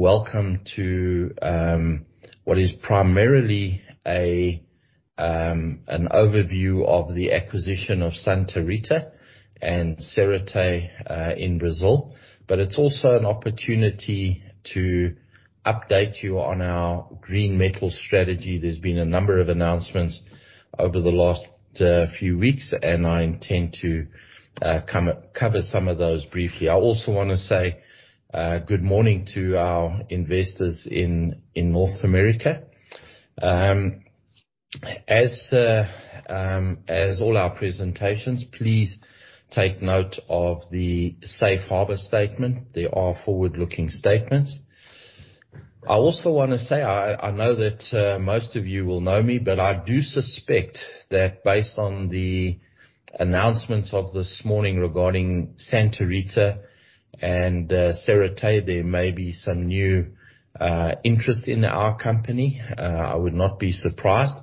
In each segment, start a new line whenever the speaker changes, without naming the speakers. Welcome to what is primarily an overview of the acquisition of Santa Rita and Serrote in Brazil. It's also an opportunity to update you on our green metal strategy. There's been a number of announcements over the last few weeks, and I intend to cover some of those briefly. I also wanna say good morning to our investors in North America. As in all our presentations, please take note of the safe harbor statement. They are forward-looking statements. I also wanna say I know that most of you will know me, but I do suspect that based on the announcements of this morning regarding Santa Rita and Serrote, there may be some new interest in our company. I would not be surprised.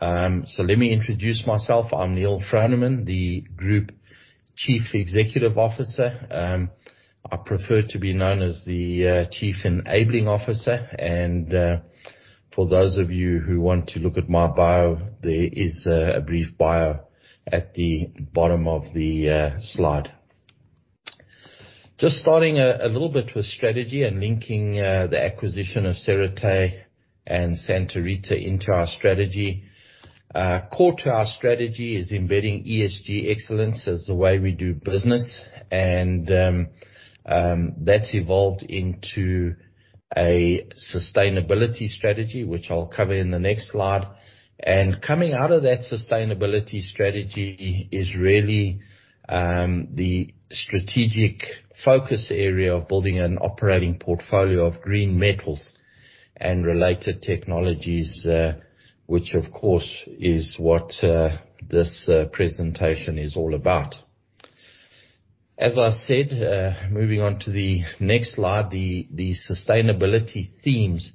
Let me introduce myself. I'm Neal Froneman, the Group Chief Executive Officer. I prefer to be known as the chief enabling officer. For those of you who want to look at my bio, there is a brief bio at the bottom of the slide. Just starting a little bit with strategy and linking the acquisition of Serrote and Santa Rita into our strategy. Core to our strategy is embedding ESG excellence as the way we do business, and that's evolved into a sustainability strategy, which I'll cover in the next slide. Coming out of that sustainability strategy is really the strategic focus area of building an operating portfolio of green metals and related technologies, which, of course, is what this presentation is all about. As I said, moving on to the next slide. The sustainability themes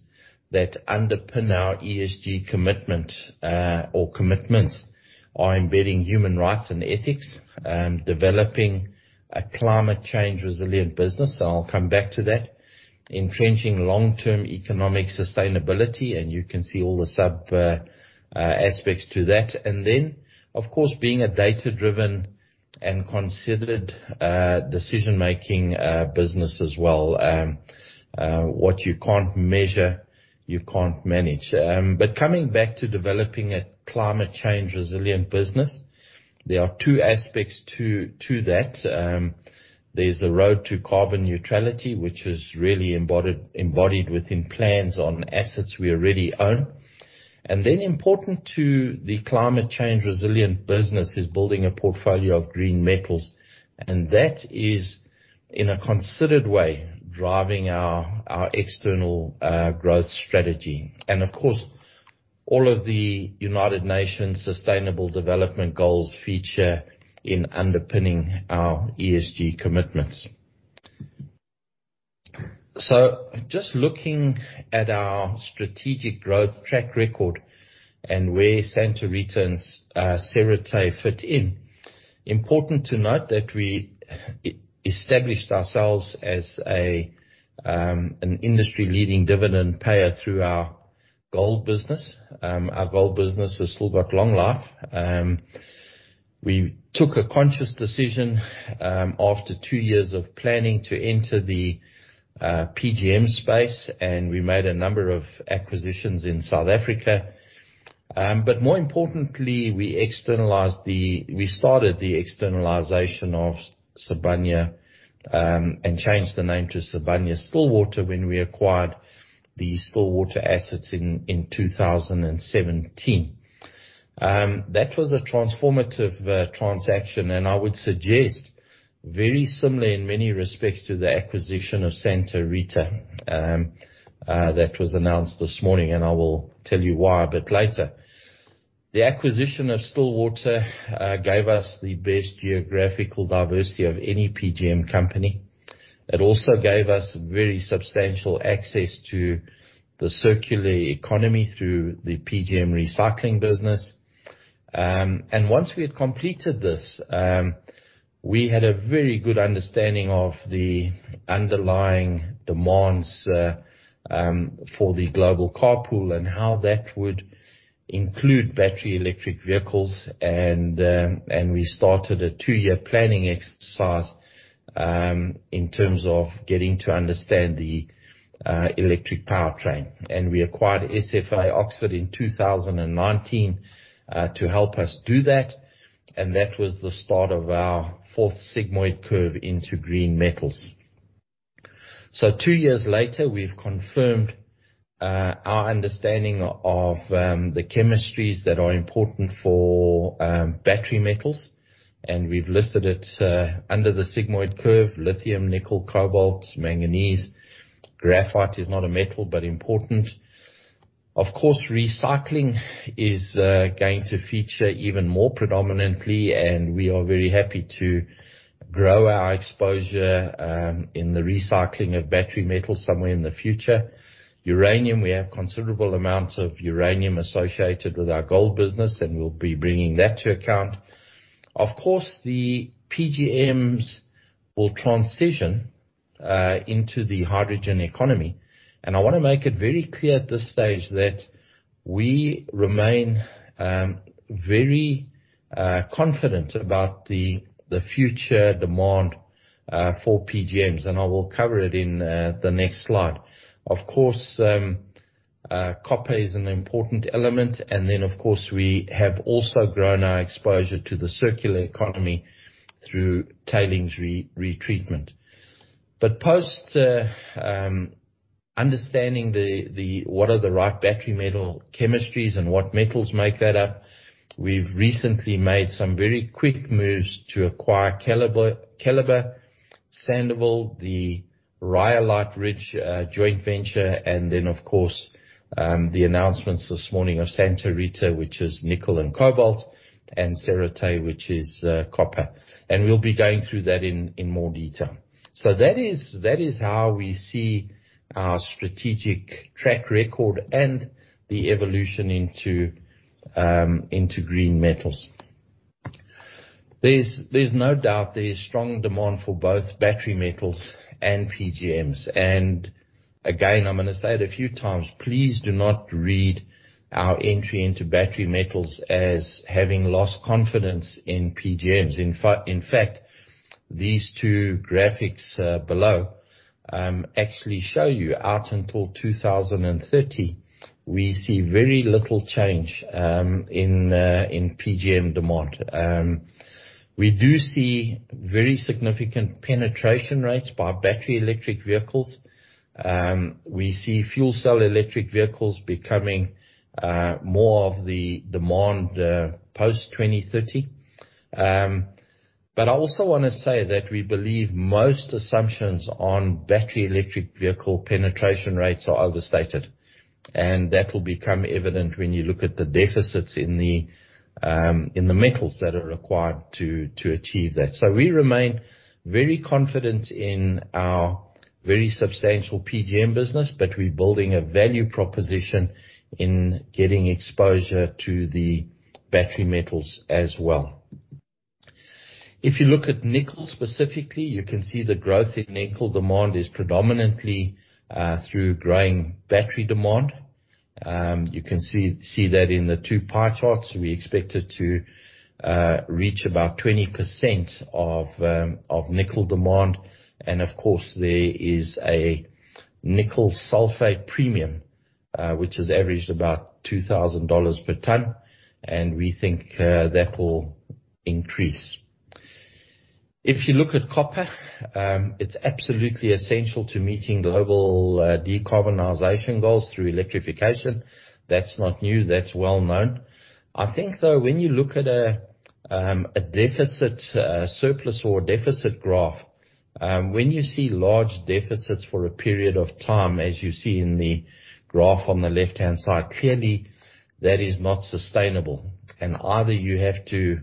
that underpin our ESG commitment or commitments are embedding human rights and ethics, developing a climate change resilient business, and I'll come back to that. Entrenching long-term economic sustainability, and you can see all the sub aspects to that. Of course, being a data-driven and considered decision-making business as well. What you can't measure, you can't manage. Coming back to developing a climate change resilient business, there are two aspects to that. There's the road to carbon neutrality, which is really embodied within plans on assets we already own. Important to the climate change resilient business is building a portfolio of green metals, and that is in a considered way driving our external growth strategy. Of course, all of the United Nations Sustainable Development Goals feature in underpinning our ESG commitments. Just looking at our strategic growth track record and where Santa Rita and Serrote fit in. Important to note that we established ourselves as an industry-leading dividend payer through our gold business. Our gold business has still got long life. We took a conscious decision after two years of planning to enter the PGM space, and we made a number of acquisitions in South Africa. More importantly, we started the externalization of Sibanye, and changed the name to Sibanye-Stillwater when we acquired the Stillwater assets in 2017. That was a transformative transaction, and I would suggest very similar in many respects to the acquisition of Santa Rita that was announced this morning, and I will tell you why a bit later. The acquisition of Stillwater gave us the best geographical diversity of any PGM company. It also gave us very substantial access to the circular economy through the PGM recycling business. Once we had completed this, we had a very good understanding of the underlying demands for the global car pool and how that would include battery electric vehicles, and we started a two-year planning exercise in terms of getting to understand the electric powertrain. We acquired SFA Oxford in 2019 to help us do that, and that was the start of our fourth sigmoid curve into green metals. Two years later, we've confirmed our understanding of the chemistries that are important for battery metals, and we've listed it under the sigmoid curve, lithium, nickel, cobalt, manganese. Graphite is not a metal, but important. Of course, recycling is going to feature even more predominantly, and we are very happy to grow our exposure in the recycling of battery metal somewhere in the future. Uranium, we have considerable amounts of uranium associated with our gold business, and we'll be bringing that to account. Of course, the PGMs will transition into the hydrogen economy. I wanna make it very clear at this stage that we remain very confident about the future demand for PGMs, and I will cover it in the next slide. Of course, copper is an important element, and then, of course, we have also grown our exposure to the circular economy through tailings retreatment. Post understanding what are the right battery metal chemistries and what metals make that up, we've recently made some very quick moves to acquire Keliber, Sandouville, the Rhyolite Ridge joint venture, and then of course, the announcements this morning of Santa Rita, which is nickel and cobalt, and Serrote, which is copper. We'll be going through that in more detail. That is how we see our strategic track record and the evolution into green metals. There's no doubt there is strong demand for both battery metals and PGMs. Again, I'm gonna say it a few times, please do not read our entry into battery metals as having lost confidence in PGMs. In fact, these two graphics below actually show you out until 2030, we see very little change in PGM demand. We do see very significant penetration rates by battery electric vehicles. We see fuel cell electric vehicles becoming more of the demand post 2030. I also wanna say that we believe most assumptions on battery electric vehicle penetration rates are overstated, and that will become evident when you look at the deficits in the, in the metals that are required to achieve that. We remain very confident in our very substantial PGM business, but we're building a value proposition in getting exposure to the battery metals as well. If you look at nickel specifically, you can see the growth in nickel demand is predominantly through growing battery demand. You can see that in the two pie charts. We expect it to reach about 20% of nickel demand, and of course, there is a nickel sulfate premium, which has averaged about $2,000 per ton, and we think that will increase. If you look at copper, it's absolutely essential to meeting global decarbonization goals through electrification. That's not new. That's well-known. I think though when you look at a surplus or deficit graph, when you see large deficits for a period of time as you see in the graph on the left-hand side, clearly that is not sustainable. Either you have to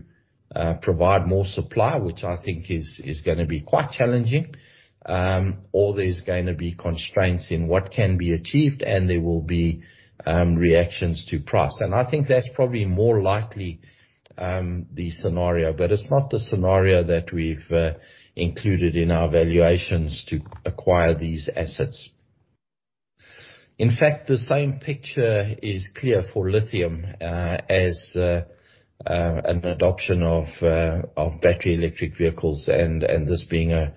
provide more supply, which I think is gonna be quite challenging, or there's gonna be constraints in what can be achieved, and there will be reactions to price. I think that's probably more likely the scenario, but it's not the scenario that we've included in our valuations to acquire these assets. In fact, the same picture is clear for lithium as an adoption of battery electric vehicles and this being a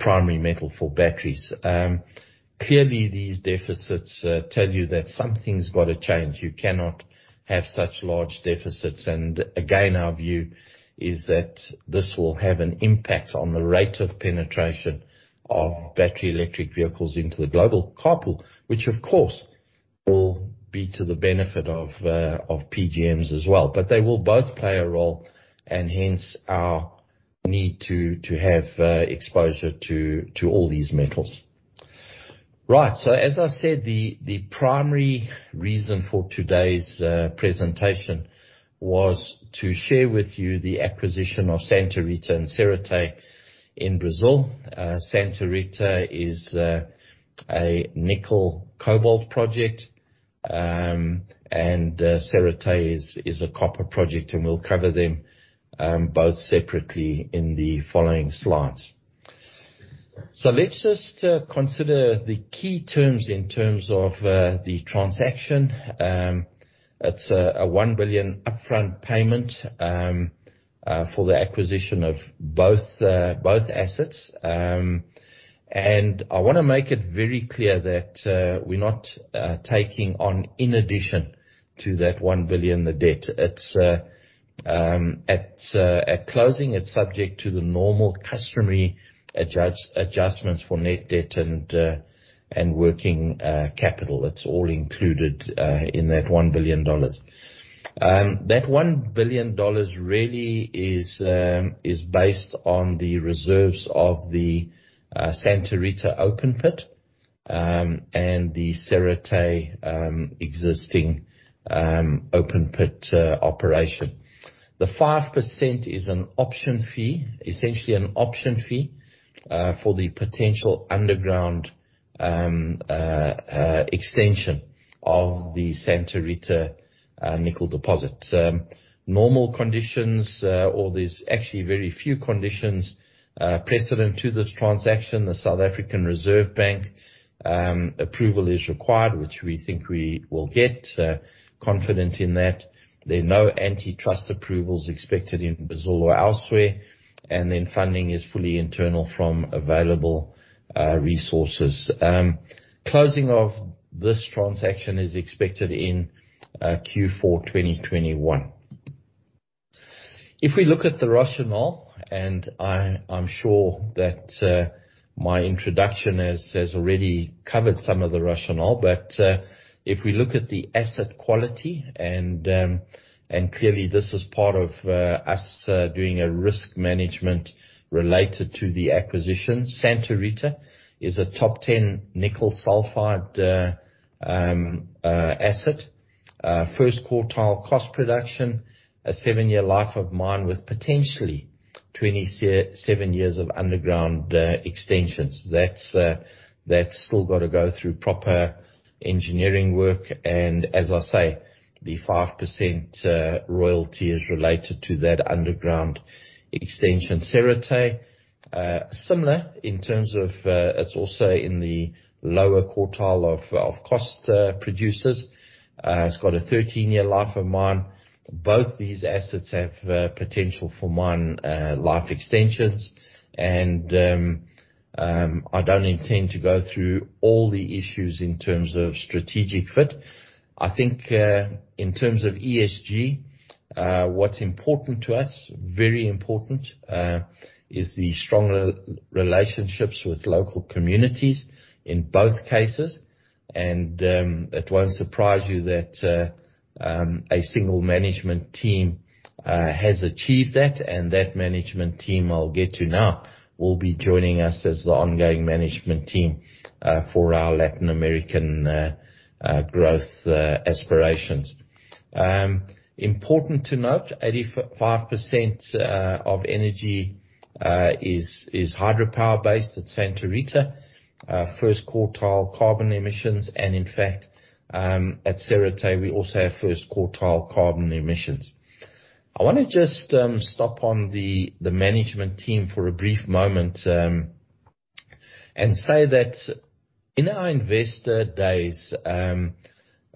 primary metal for batteries. Clearly these deficits tell you that something's gotta change. You cannot have such large deficits. Again, our view is that this will have an impact on the rate of penetration of battery electric vehicles into the global car pool, which of course will be to the benefit of PGMs as well. They will both play a role, and hence our need to have exposure to all these metals. Right. As I said, the primary reason for today's presentation was to share with you the acquisition of Santa Rita and Serrote in Brazil. Santa Rita is a nickel cobalt project, and Serrote is a copper project, and we'll cover them both separately in the following slides. Let's just consider the key terms in terms of the transaction. It's a $1 billion upfront payment for the acquisition of both assets. I wanna make it very clear that we're not taking on in addition to that $1 billion, the debt. It's at closing, it's subject to the normal customary adjustments for net debt and working capital. That's all included in that $1 billion. That $1 billion really is based on the reserves of the Santa Rita open pit, and the Serrote existing open pit operation. The 5% is an option fee, essentially an option fee, for the potential underground extension of the Santa Rita nickel deposit. Normal conditions, or there's actually very few conditions precedent to this transaction. The South African Reserve Bank approval is required, which we think we will get, confident in that. There are no antitrust approvals expected in Brazil or elsewhere, and then funding is fully internal from available resources. Closing of this transaction is expected in Q4 2021. If we look at the rationale, and I'm sure that, my introduction has already covered some of the rationale. If we look at the asset quality and clearly this is part of us doing a risk management related to the acquisition. Santa Rita is a top 10 nickel sulfide asset. First quartile cost production, a seven-year life of mine with potentially 27 years of underground extensions. That's still got to go through proper engineering work, and as I say, the 5% royalty is related to that underground extension. Serrote, similar in terms of, it's also in the lower quartile of cost producers. It's got a 13-year life of mine. Both these assets have potential for mine life extensions and I don't intend to go through all the issues in terms of strategic fit. I think in terms of ESG, what's important to us, very important, is the strong relationships with local communities in both cases. It won't surprise you that a single management team has achieved that, and that management team I'll get to now will be joining us as the ongoing management team for our Latin American growth aspirations. Important to note, 85% of energy is hydropower-based at Santa Rita. First quartile carbon emissions and in fact, at Serrote we also have first quartile carbon emissions. I wanna just stop on the management team for a brief moment, and say that in our investor days,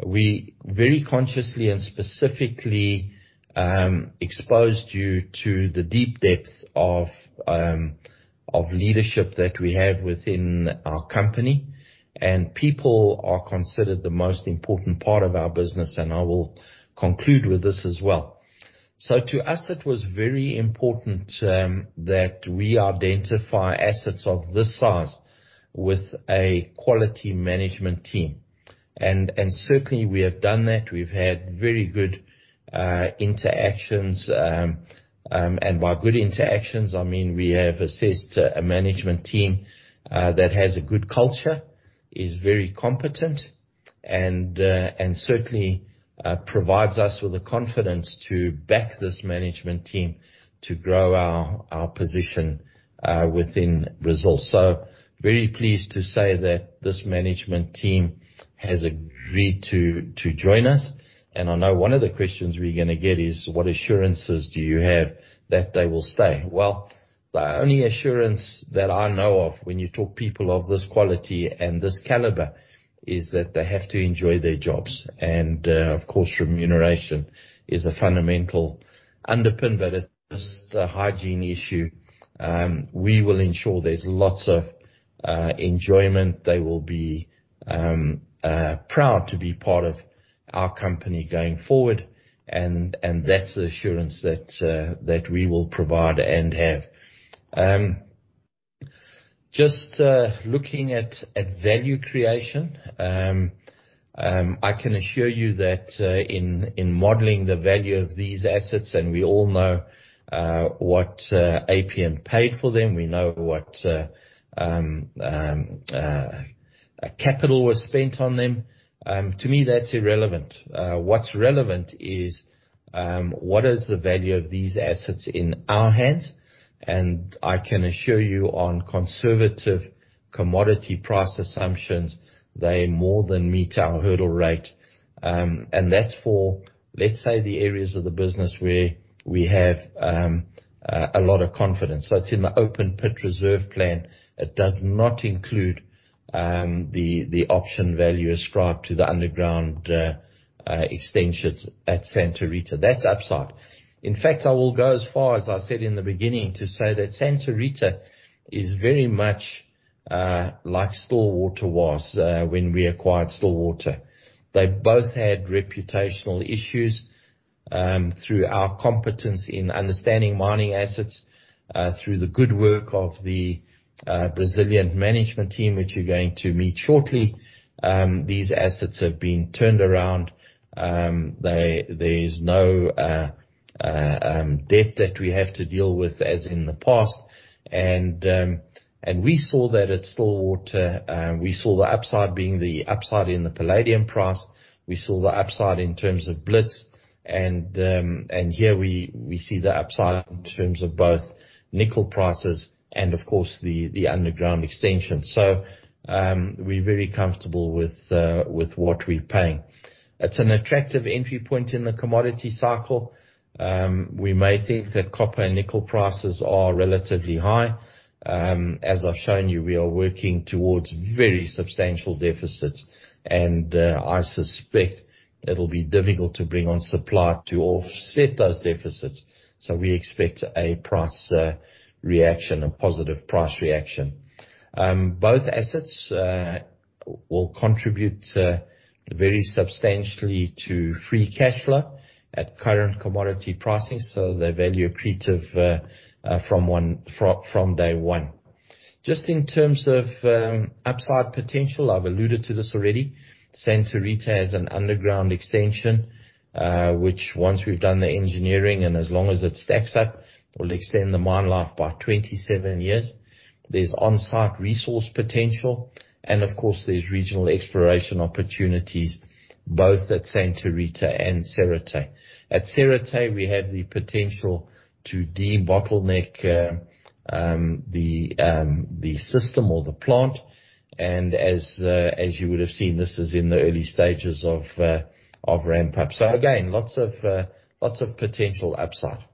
we very consciously and specifically exposed you to the deep depth of leadership that we have within our company. People are considered the most important part of our business, and I will conclude with this as well. To us, it was very important that we identify assets of this size with a quality management team. Certainly we have done that. We've had very good interactions. By good interactions, I mean, we have assessed a management team that has a good culture, is very competent and certainly provides us with the confidence to back this management team to grow our position within Brazil. Very pleased to say that this management team has agreed to join us. I know one of the questions we're gonna get is what assurances do you have that they will stay? Well, the only assurance that I know of when you talk to people of this quality and this caliber is that they have to enjoy their jobs. Of course, remuneration is a fundamental underpin, but it's just a hygiene issue. We will ensure there's lots of enjoyment. They will be proud to be part of our company going forward, and that's the assurance that we will provide and have. Just looking at value creation, I can assure you that in modeling the value of these assets, we all know what Appian paid for them, we know what capital was spent on them. To me, that's irrelevant. What's relevant is what is the value of these assets in our hands? I can assure you on conservative commodity price assumptions, they more than meet our hurdle rate. That's for, let's say, the areas of the business where we have a lot of confidence. It's in the open pit reserve plan. It does not include the option value ascribed to the underground extensions at Santa Rita. That's upside. In fact, I will go as far as I said in the beginning to say that Santa Rita is very much like Stillwater was when we acquired Stillwater. They both had reputational issues through our competence in understanding mining assets through the good work of the Brazilian management team, which you're going to meet shortly. There's no debt that we have to deal with as in the past. We saw that at Stillwater. We saw the upside in the palladium price. We saw the upside in terms of Blitz, and here we see the upside in terms of both nickel prices and of course the underground extension. We're very comfortable with what we're paying. It's an attractive entry point in the commodity cycle. We may think that copper and nickel prices are relatively high. As I've shown you, we are working towards very substantial deficits, and I suspect it'll be difficult to bring on supply to offset those deficits. We expect a price reaction, a positive price reaction. Both assets will contribute very substantially to free cash flow at current commodity pricing, so they're value accretive from day one. Just in terms of upside potential, I've alluded to this already. Santa Rita has an underground extension, which once we've done the engineering and as long as it stacks up, will extend the mine life by 27 years. There's on-site resource potential and of course, there's regional exploration opportunities both at Santa Rita and Serrote. At Serrote, we have the potential to debottleneck the system or the plant. As you would have seen, this is in the early stages of ramp up. Again, lots of potential upside.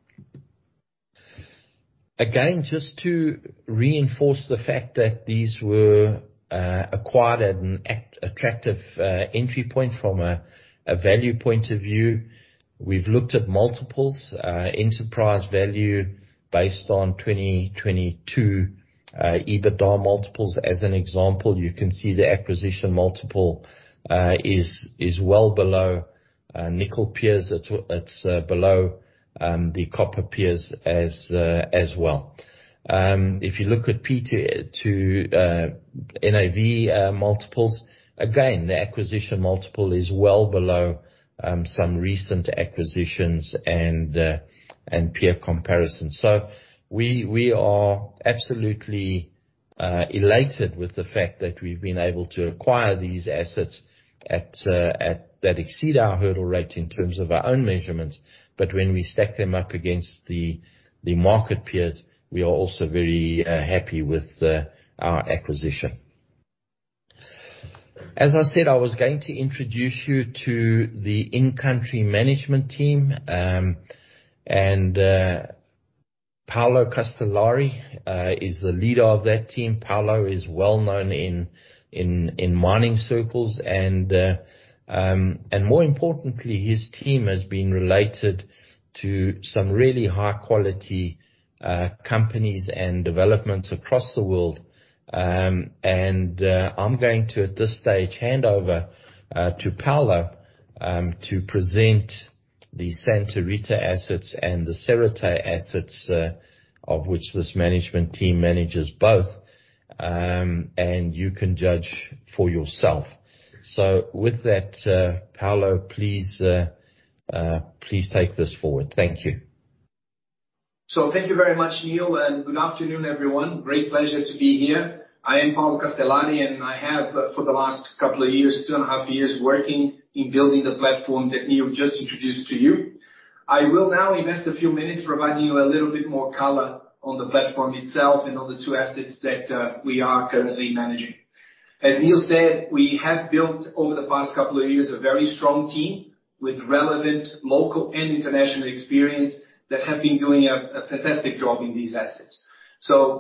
Again, just to reinforce the fact that these were acquired at an attractive entry point from a value point of view. We've looked at multiples, enterprise value based on 2022 EBITDA multiples as an example. You can see the acquisition multiple is well below nickel peers. It's below the copper peers as well. If you look at P to NAV multiples, again, the acquisition multiple is well below some recent acquisitions and peer comparisons. We are absolutely elated with the fact that we've been able to acquire these assets that exceed our hurdle rate in terms of our own measurements. When we stack them up against the market peers, we are also very happy with our acquisition. As I said, I was going to introduce you to the in-country management team, and Paulo Castellari is the leader of that team. Paulo is well known in mining circles and more importantly, his team has been related to some really high quality companies and developments across the world. I'm going to, at this stage, hand over to Paulo to present the Santa Rita assets and the Serrote assets, of which this management team manages both. You can judge for yourself. With that, Paulo, please take this forward. Thank you.
Thank you very much, Neal, and good afternoon, everyone. Great pleasure to be here. I am Paulo Castellari, and I have for the last couple of years, 2.5 years, working in building the platform that Neal just introduced to you. I will now invest a few minutes providing you a little bit more color on the platform itself and on the two assets that we are currently managing. As Neal said, we have built, over the past couple of years, a very strong team with relevant local and international experience that have been doing a fantastic job in these assets.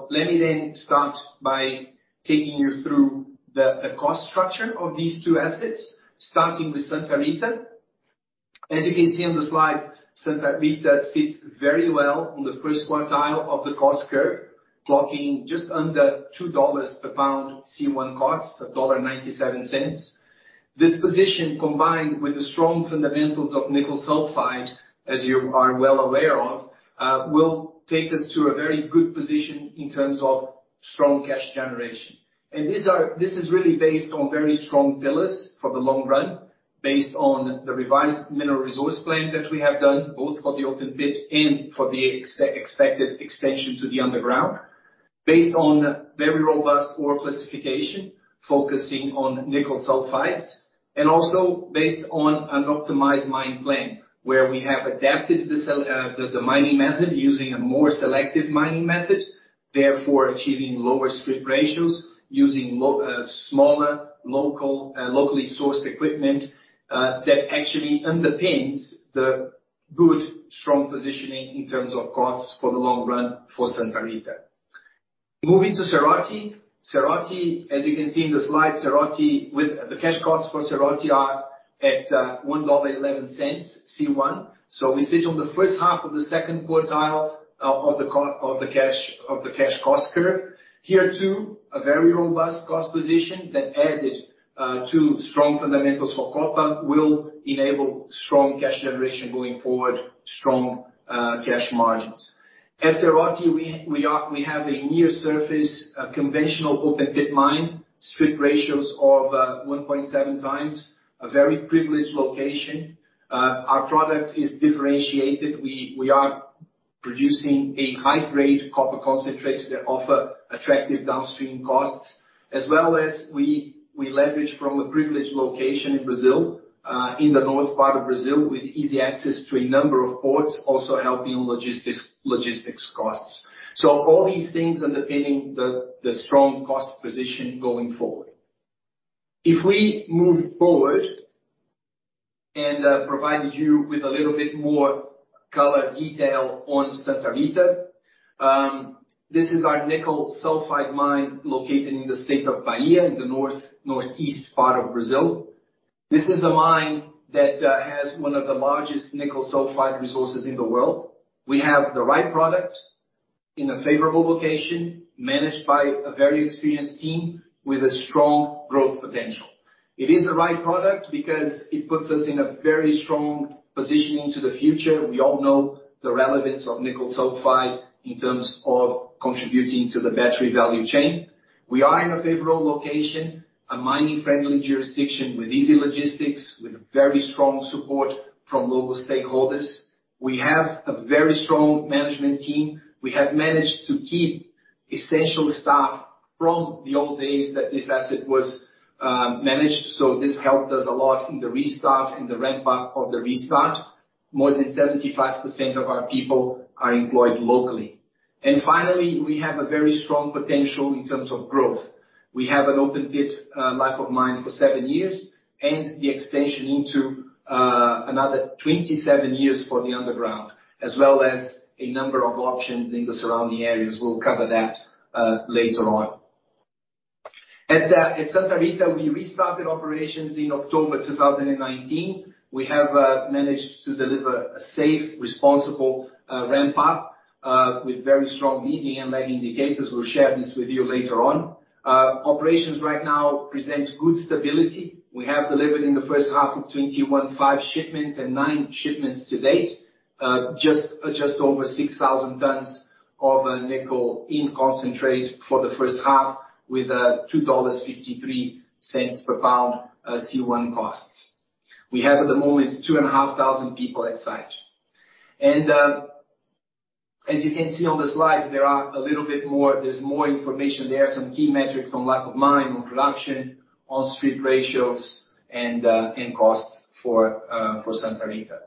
Let me then start by taking you through the cost structure of these two assets, starting with Santa Rita. As you can see on the slide, Santa Rita fits very well on the first quartile of the cost curve, clocking just under $2 per pound C1 costs, $1.97. This position, combined with the strong fundamentals of nickel sulfide, as you are well aware of, will take us to a very good position in terms of strong cash generation. This is really based on very strong pillars for the long run, based on the revised mineral resource plan that we have done, both for the open pit and for the expected extension to the underground. Based on very robust ore classification, focusing on nickel sulfides, and also based on an optimized mine plan where we have adapted the mining method using a more selective mining method, therefore achieving lower strip ratios, using smaller, locally sourced equipment, that actually underpins the good, strong positioning in terms of costs for the long run for Santa Rita. Moving to Serrote. Serrote, as you can see in the slide, Serrote with the cash costs for Serrote are at $1.11 C1. So we sit on the first half of the second quartile of the cash cost curve. Here, too, a very robust cost position that added to strong fundamentals for copper will enable strong cash generation going forward, strong cash margins. At Serrote, we have a near surface conventional open pit mine, strip ratios of 1.7 times, a very privileged location. Our product is differentiated. We are producing a high-grade copper concentrate that offer attractive downstream costs, as well as we leverage from a privileged location in Brazil, in the north part of Brazil, with easy access to a number of ports, also helping on logistics costs. All these things underpinning the strong cost position going forward. If we move forward and provided you with a little bit more color detail on Santa Rita, this is our nickel sulfide mine located in the state of Bahia in the north-northeast part of Brazil. This is a mine that has one of the largest nickel sulfide resources in the world. We have the right product in a favorable location managed by a very experienced team with a strong growth potential. It is the right product because it puts us in a very strong position into the future. We all know the relevance of nickel sulfide in terms of contributing to the battery value chain. We are in a favorable location, a mining-friendly jurisdiction with easy logistics, with very strong support from local stakeholders. We have a very strong management team. We have managed to keep essential staff from the old days that this asset was managed, so this helped us a lot in the restart, in the ramp up of the restart. More than 75% of our people are employed locally. Finally, we have a very strong potential in terms of growth. We have an open pit life of mine for seven years and the extension into another 27 years for the underground, as well as a number of options in the surrounding areas. We'll cover that later on. At Santa Rita, we restarted operations in October 2019. We have managed to deliver a safe, responsible ramp up with very strong leading and lagging indicators. We'll share this with you later on. Operations right now present good stability. We have delivered in the first half of 2021 5 shipments and 9 shipments to date, just over 6,000 tons of nickel in concentrate for the first half with $2.53 per pound C1 costs. We have at the moment 2,500 people on site. As you can see on the slide, there is more information. There are some key metrics on life of mine, on production, on strip ratios, and costs for Santa Rita.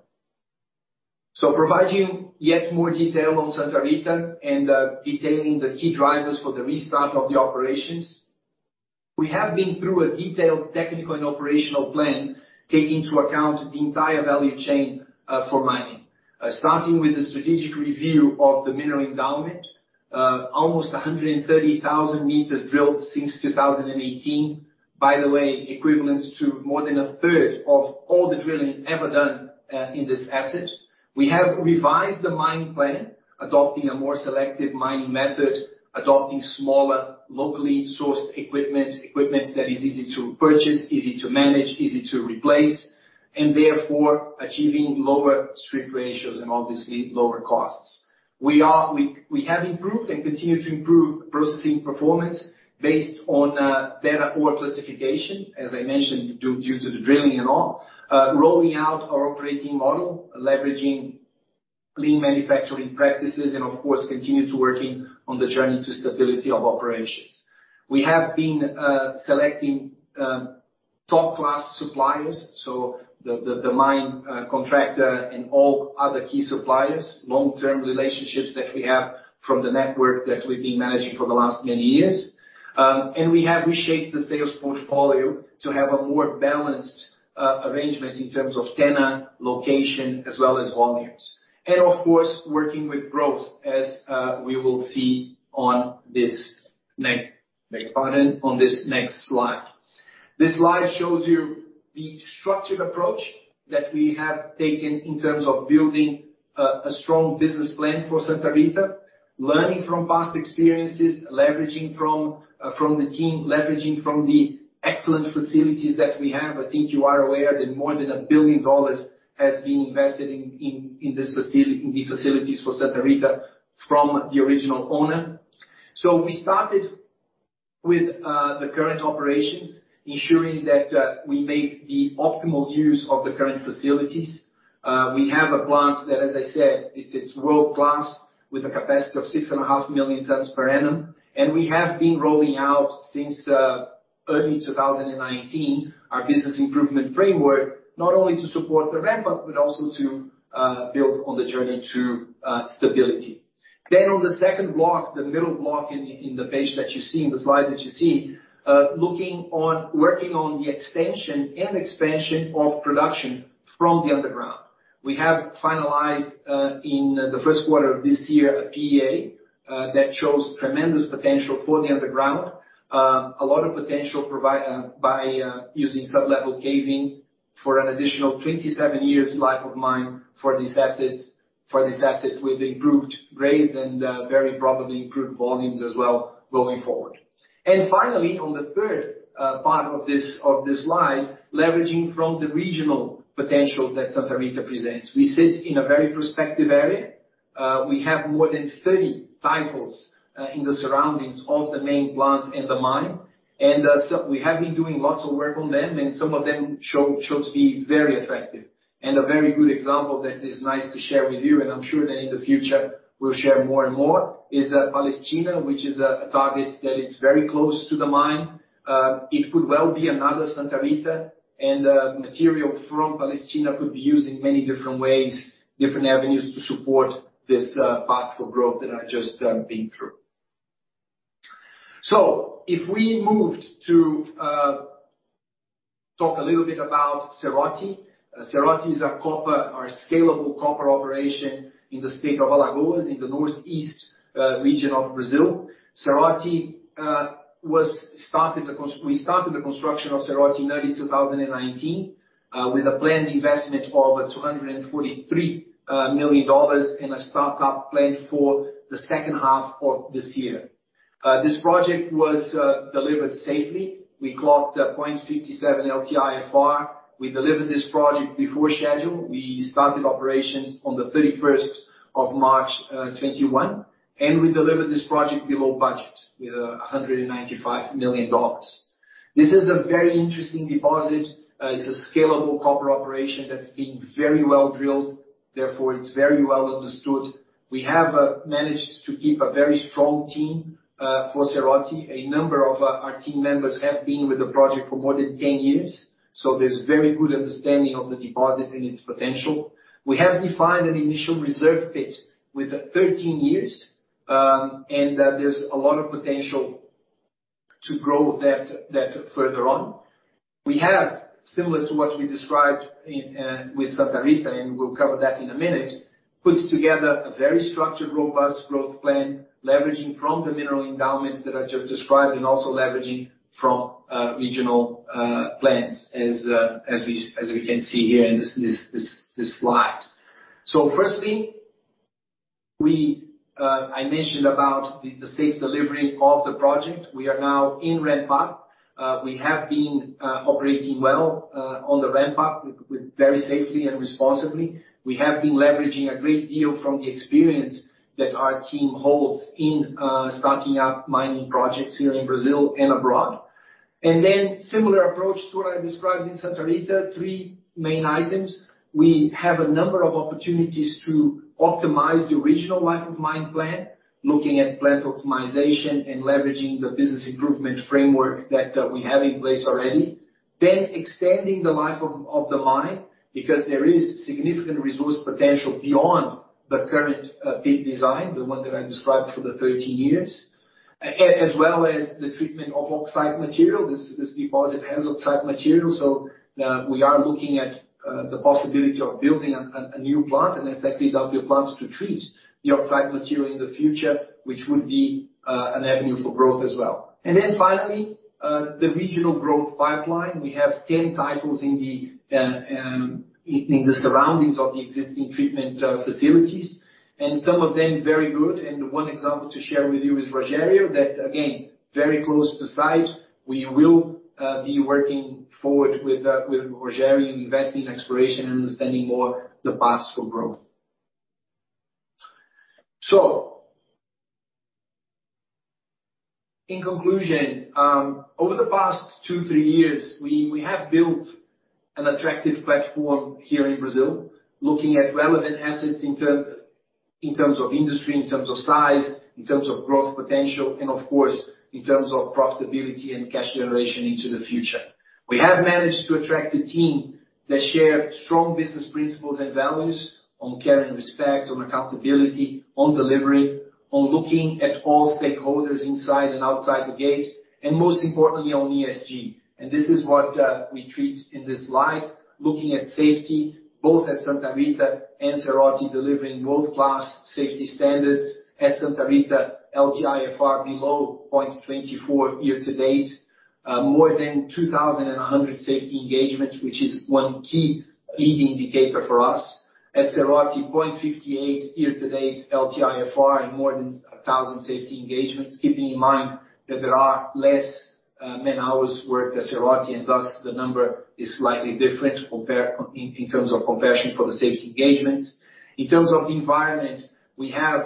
Providing yet more detail on Santa Rita and detailing the key drivers for the restart of the operations. We have been through a detailed technical and operational plan, taking into account the entire value chain for mining. Starting with a strategic review of the mineral endowment, almost 130,000 meters drilled since 2018, by the way, equivalent to more than a third of all the drilling ever done in this asset. We have revised the mine plan, adopting a more selective mining method, adopting smaller, locally sourced equipment. Equipment that is easy to purchase, easy to manage, easy to replace, and therefore achieving lower strip ratios and obviously lower costs. We have improved and continue to improve processing performance based on better ore classification, as I mentioned, due to the drilling and all. Rolling out our operating model, leveraging lean manufacturing practices and of course, continue to working on the journey to stability of operations. We have been selecting top-class suppliers, so the mine contractor and all other key suppliers, long-term relationships that we have from the network that we've been managing for the last many years. We have reshaped the sales portfolio to have a more balanced arrangement in terms of tenor, location, as well as volumes. Of course, working with growth as we will see on this next slide. This slide shows you the structured approach that we have taken in terms of building a strong business plan for Santa Rita, learning from past experiences, leveraging from the team, leveraging from the excellent facilities that we have. I think you are aware that more than $1 billion has been invested in the facilities for Santa Rita from the original owner. We started with the current operations, ensuring that we make the optimal use of the current facilities. We have a plant that, as I said, it's world-class with a capacity of 6.5 million tons per annum. We have been rolling out since early 2019 our business improvement framework, not only to support the ramp up, but also to build on the journey to stability. On the second block, the middle block in the slide that you see, working on the expansion of production from the underground. We have finalized in the first quarter of this year a PEA that shows tremendous potential for the underground. A lot of potential by using sub-level caving for an additional 27 years life of mine for this asset with improved grades and very probably improved volumes as well going forward. Finally, on the third part of this slide, leveraging from the regional potential that Santa Rita presents. We sit in a very prospective area. We have more than 30 titles in the surroundings of the main plant and the mine. So we have been doing lots of work on them, and some of them show to be very attractive. A very good example that is nice to share with you, and I'm sure that in the future we'll share more and more, is Palestina, which is a target that is very close to the mine. It could well be another Santa Rita, and material from Palestina could be used in many different ways, different avenues to support this path for growth that I've just been through. If we moved to talk a little bit about Serrote. Serrote is our scalable copper operation in the state of Alagoas in the northeast region of Brazil. We started the construction of Serrote in early 2019 with a planned investment of $243 million and a start-up planned for the second half of this year. This project was delivered safely. We clocked 0.57 LTIFR. We delivered this project before schedule. We started operations on March 31, 2021, and we delivered this project below budget with $195 million. This is a very interesting deposit. It's a scalable copper operation that's been very well-drilled, therefore it's very well understood. We have managed to keep a very strong team for Serrote. A number of our team members have been with the project for more than 10 years, so there's very good understanding of the deposit and its potential. We have defined an initial reserve pit with 13 years, and there's a lot of potential to grow that further on. We have, similar to what we described in with Santa Rita, and we'll cover that in a minute, put together a very structured, robust growth plan, leveraging from the mineral endowments that I just described and also leveraging from regional plans as we can see here in this slide. Firstly, I mentioned about the safe delivery of the project. We are now in ramp-up. We have been operating well on the ramp-up with very safely and responsibly. We have been leveraging a great deal from the experience that our team holds in starting up mining projects here in Brazil and abroad. Similar approach to what I described in Santa Rita, three main items. We have a number of opportunities to optimize the original life of mine plan, looking at plant optimization and leveraging the business improvement framework that we have in place already. Extending the life of the mine because there is significant resource potential beyond the current pit design, the one that I described for the 13 years, as well as the treatment of oxide material. This deposit has oxide material, so we are looking at the possibility of building a new plant, an SX/EW plant to treat the oxide material in the future, which would be an avenue for growth as well. Finally, the regional growth pipeline. We have 10 titles in the surroundings of the existing treatment facilities, and some of them very good. One example to share with you is Rogério. That, again, very close to site. We will be working forward with Rogério and investing in exploration and understanding more the paths for growth. In conclusion, over the past two-three years, we have built an attractive platform here in Brazil, looking at relevant assets in terms of industry, in terms of size, in terms of growth potential, and of course, in terms of profitability and cash generation into the future. We have managed to attract a team that share strong business principles and values on care and respect, on accountability, on delivery, on looking at all stakeholders inside and outside the gate, and most importantly, on ESG. This is what we treat in this slide, looking at safety, both at Santa Rita and Serrote, delivering world-class safety standards. At Santa Rita, LTIFR below 0.24 year to date. More than 2,100 safety engagements, which is one key leading indicator for us. At Serrote, 0.58 year to date LTIFR and more than 1,000 safety engagements. Keeping in mind that there are less man-hours worked at Serrote, and thus the number is slightly different in terms of comparison for the safety engagements. In terms of environment, we have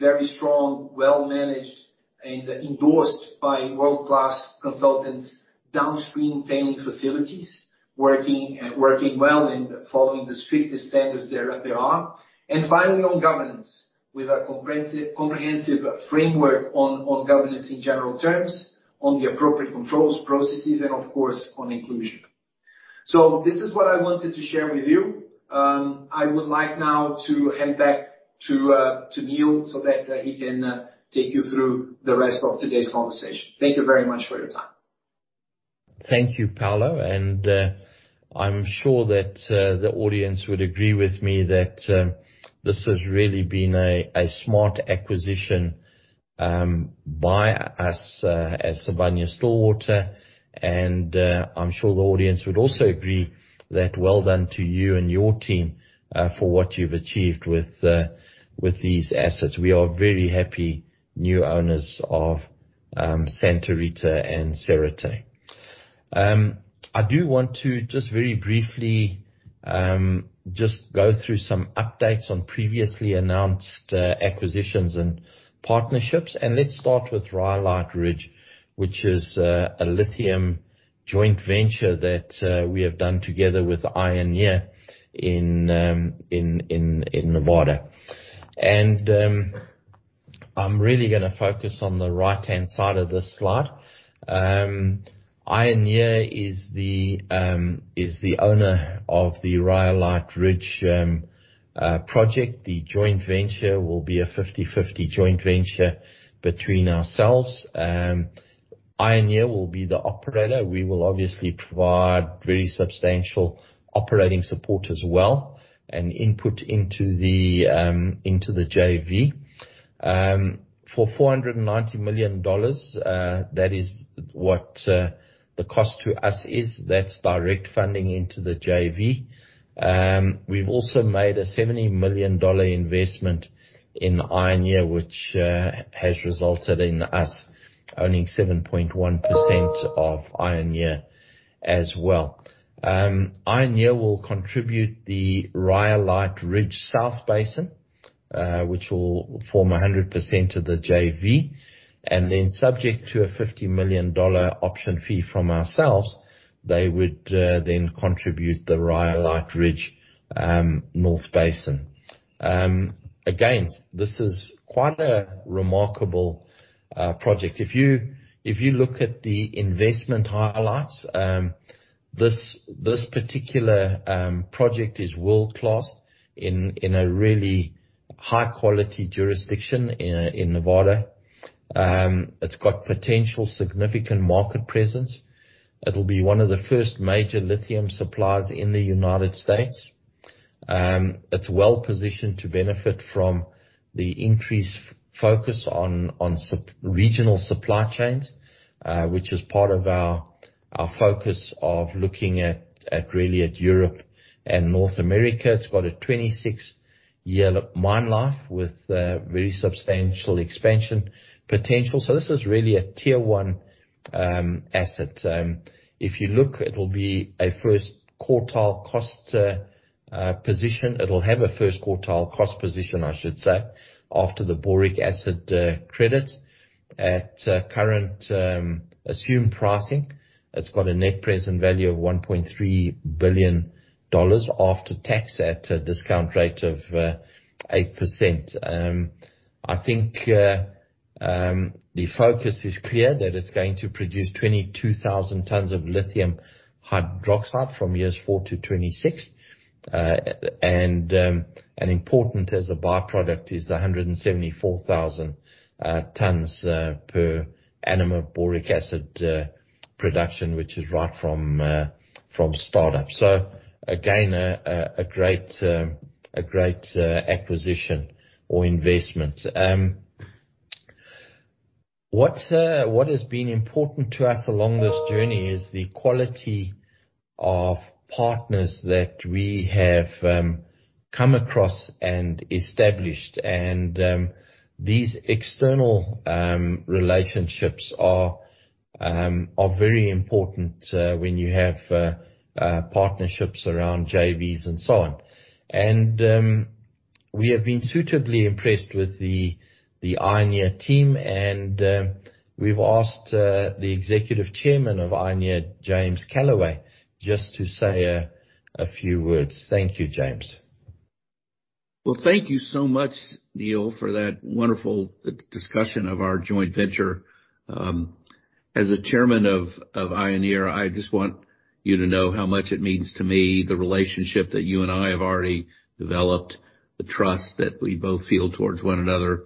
very strong, well-managed, and endorsed by world-class consultants downstream tailings facilities, working well and following the strictest standards there are. Finally, on governance, with a comprehensive framework on governance in general terms, on the appropriate controls, processes, and of course on inclusion. This is what I wanted to share with you. I would like now to hand back to Neal so that he can take you through the rest of today's conversation. Thank you very much for your time.
Thank you, Paulo. I'm sure that the audience would agree with me that this has really been a smart acquisition by us as Sibanye-Stillwater. I'm sure the audience would also agree that well done to you and your team for what you've achieved with these assets. We are very happy new owners of Santa Rita and Serrote. I do want to just very briefly just go through some updates on previously announced acquisitions and partnerships. Let's start with Rhyolite Ridge, which is a lithium joint venture that we have done together with Ioneer in Nevada. I'm really gonna focus on the right-hand side of this slide. Ioneer is the owner of the Rhyolite Ridge project. The joint venture will be a 50/50 joint venture between ourselves. Ioneer will be the operator. We will obviously provide very substantial operating support as well and input into the JV. For $490 million, that is what the cost to us is. That's direct funding into the JV. We've also made a $70 million investment in Ioneer, which has resulted in us owning 7.1% of Ioneer as well. Ioneer will contribute the Rhyolite Ridge South basin, which will form 100% of the JV, and then subject to a $50 million option fee from ourselves, they would then contribute the Rhyolite Ridge North basin. Again, this is quite a remarkable project. If you look at the investment highlights, this particular project is world-class in a really high quality jurisdiction in Nevada. It's got potential significant market presence. It'll be one of the first major lithium suppliers in the United States. It's well-positioned to benefit from the increased focus on regional supply chains, which is part of our focus of looking at really at Europe and North America. It's got a 26-year mine life with very substantial expansion potential. This is really a tier one asset. If you look, it'll be a first quartile cost position. It'll have a first quartile cost position, I should say, after the boric acid credits at current assumed pricing. It's got a net present value of $1.3 billion after tax at a discount rate of 8%. I think the focus is clear that it's going to produce 22,000 tons of lithium hydroxide from years 4 to 26. Important as the by-product is the 174,000 tons per annum of boric acid production, which is right from startup. Again, a great acquisition or investment. What has been important to us along this journey is the quality of partners that we have come across and established. These external relationships are very important when you have partnerships around JVs and so on. We have been suitably impressed with the Ioneer team and we've asked the Executive Chairman of Ioneer, James Calaway, just to say a few words. Thank you, James.
Well, thank you so much, Neal, for that wonderful discussion of our joint venture. As Chairman of Ioneer, I just want you to know how much it means to me, the relationship that you and I have already developed, the trust that we both feel towards one another.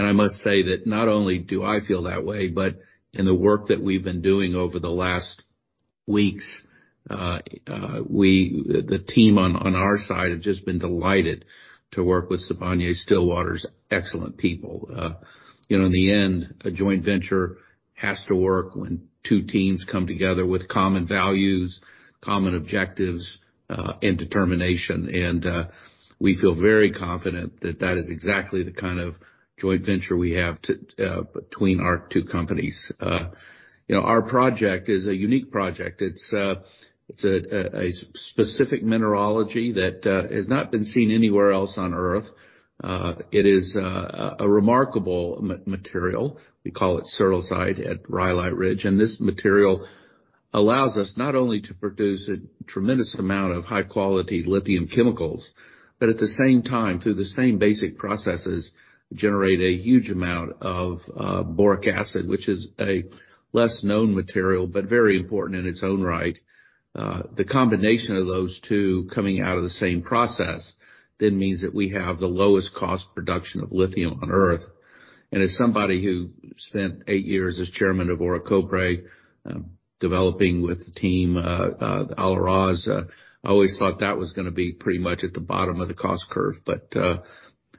I must say that not only do I feel that way, but in the work that we've been doing over the last weeks, we, the team on our side have just been delighted to work with Sibanye-Stillwater's excellent people. You know, in the end, a joint venture has to work when two teams come together with common values, common objectives, and determination. We feel very confident that that is exactly the kind of joint venture we have between our two companies. You know, our project is a unique project. It's a specific mineralogy that has not been seen anywhere else on Earth. It is a remarkable material. We call it searlesite at Rhyolite Ridge. This material allows us not only to produce a tremendous amount of high-quality lithium chemicals, but at the same time, through the same basic processes, generate a huge amount of boric acid, which is a less known material, but very important in its own right. The combination of those two coming out of the same process then means that we have the lowest cost production of lithium on Earth. As somebody who spent eight years as chairman of Orocobre, developing with the team, Olaroz, I always thought that was gonna be pretty much at the bottom of the cost curve.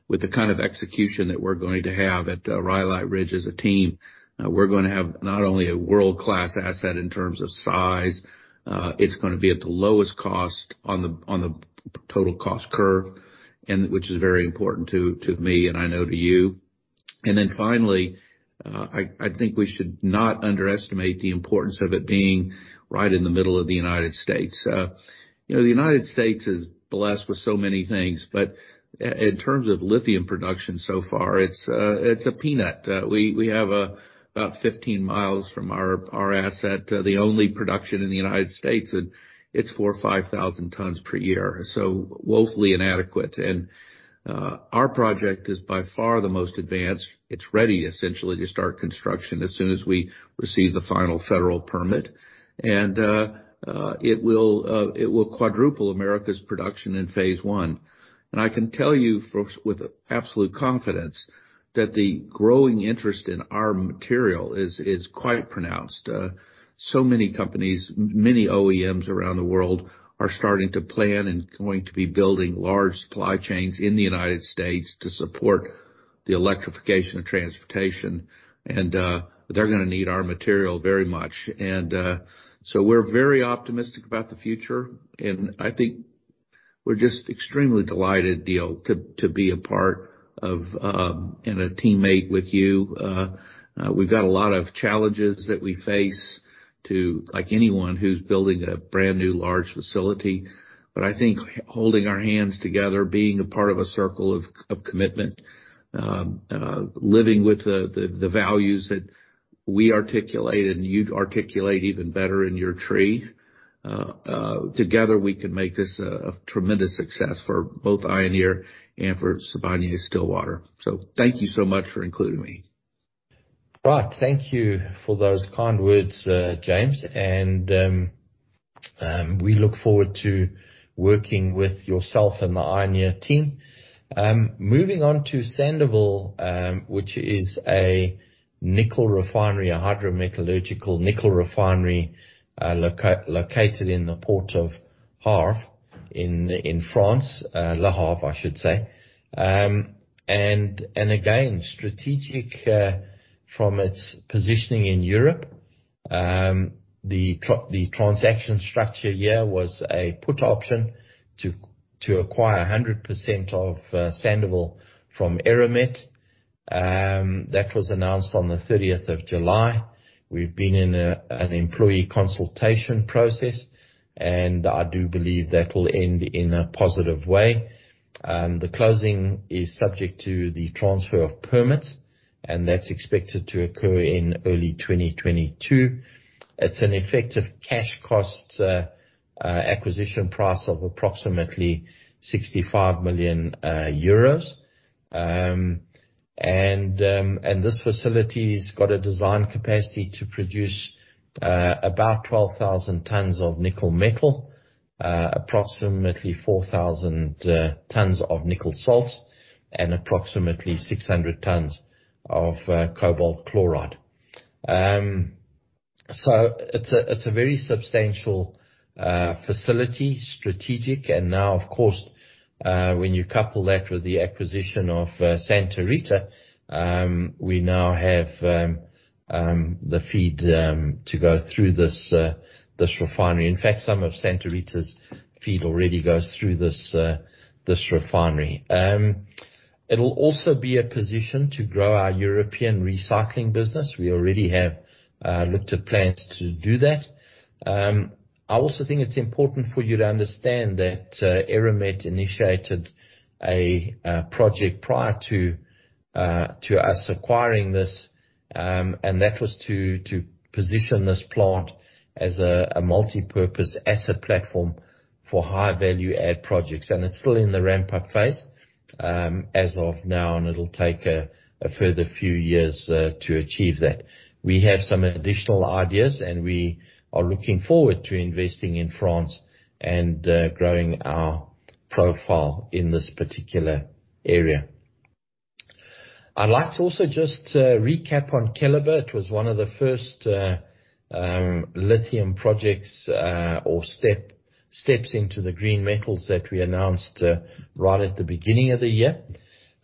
With the kind of execution that we're going to have at Rhyolite Ridge as a team, we're gonna have not only a world-class asset in terms of size, it's gonna be at the lowest cost on the total cost curve and which is very important to me and I know to you. Finally, I think we should not underestimate the importance of it being right in the middle of the United States. You know, the United States is blessed with so many things, but in terms of lithium production so far it's a peanut. We have about 15 miles from our asset the only production in the United States, and it's 4,000 or 5,000 tons per year. So woefully inadequate. Our project is by far the most advanced. It's ready essentially to start construction as soon as we receive the final federal permit. It will quadruple America's production in phase one. I can tell you folks with absolute confidence that the growing interest in our material is quite pronounced. So many companies, many OEMs around the world are starting to plan and going to be building large supply chains in the United States to support the electrification of transportation and, they're gonna need our material very much. We're very optimistic about the future, and I think we're just extremely delighted, Neal, to be a part of and a teammate with you. We've got a lot of challenges that we face like anyone who's building a brand-new large facility. I think holding our hands together, being a part of a circle of commitment, living with the values that we articulate and you'd articulate even better in your tree, together we can make this a tremendous success for both Ioneer and for Sibanye-Stillwater. Thank you so much for including me.
Right. Thank you for those kind words, James. We look forward to working with yourself and the Ioneer team. Moving on to Sandouville, which is a nickel refinery, a hydrometallurgical nickel refinery, located in the port of Le Havre in France, Le Havre, I should say. And again, strategic from its positioning in Europe. The transaction structure here was a put option to acquire 100% of Sandouville from Eramet. That was announced on the thirtieth of July. We've been in an employee consultation process, and I do believe that will end in a positive way. The closing is subject to the transfer of permits, and that's expected to occur in early 2022. It's an effective cash cost acquisition price of approximately 65 million euros. This facility's got a design capacity to produce about 12,000 tons of nickel metal, approximately 4,000 tons of nickel salts, and approximately 600 tons of cobalt chloride. So it's a very substantial facility, strategic. Now, of course, when you couple that with the acquisition of Santa Rita, we now have the feed to go through this refinery. In fact, some of Santa Rita's feed already goes through this refinery. It'll also be a position to grow our European recycling business. We already have looked at plans to do that. I also think it's important for you to understand that Eramet initiated a project prior to us acquiring this. That was to position this plant as a multipurpose asset platform for high value add projects. It's still in the ramp-up phase as of now, and it'll take a further few years to achieve that. We have some additional ideas, and we are looking forward to investing in France and growing our profile in this particular area. I'd like to also just recap on Keliber. It was one of the first lithium projects or steps into the green metals that we announced right at the beginning of the year.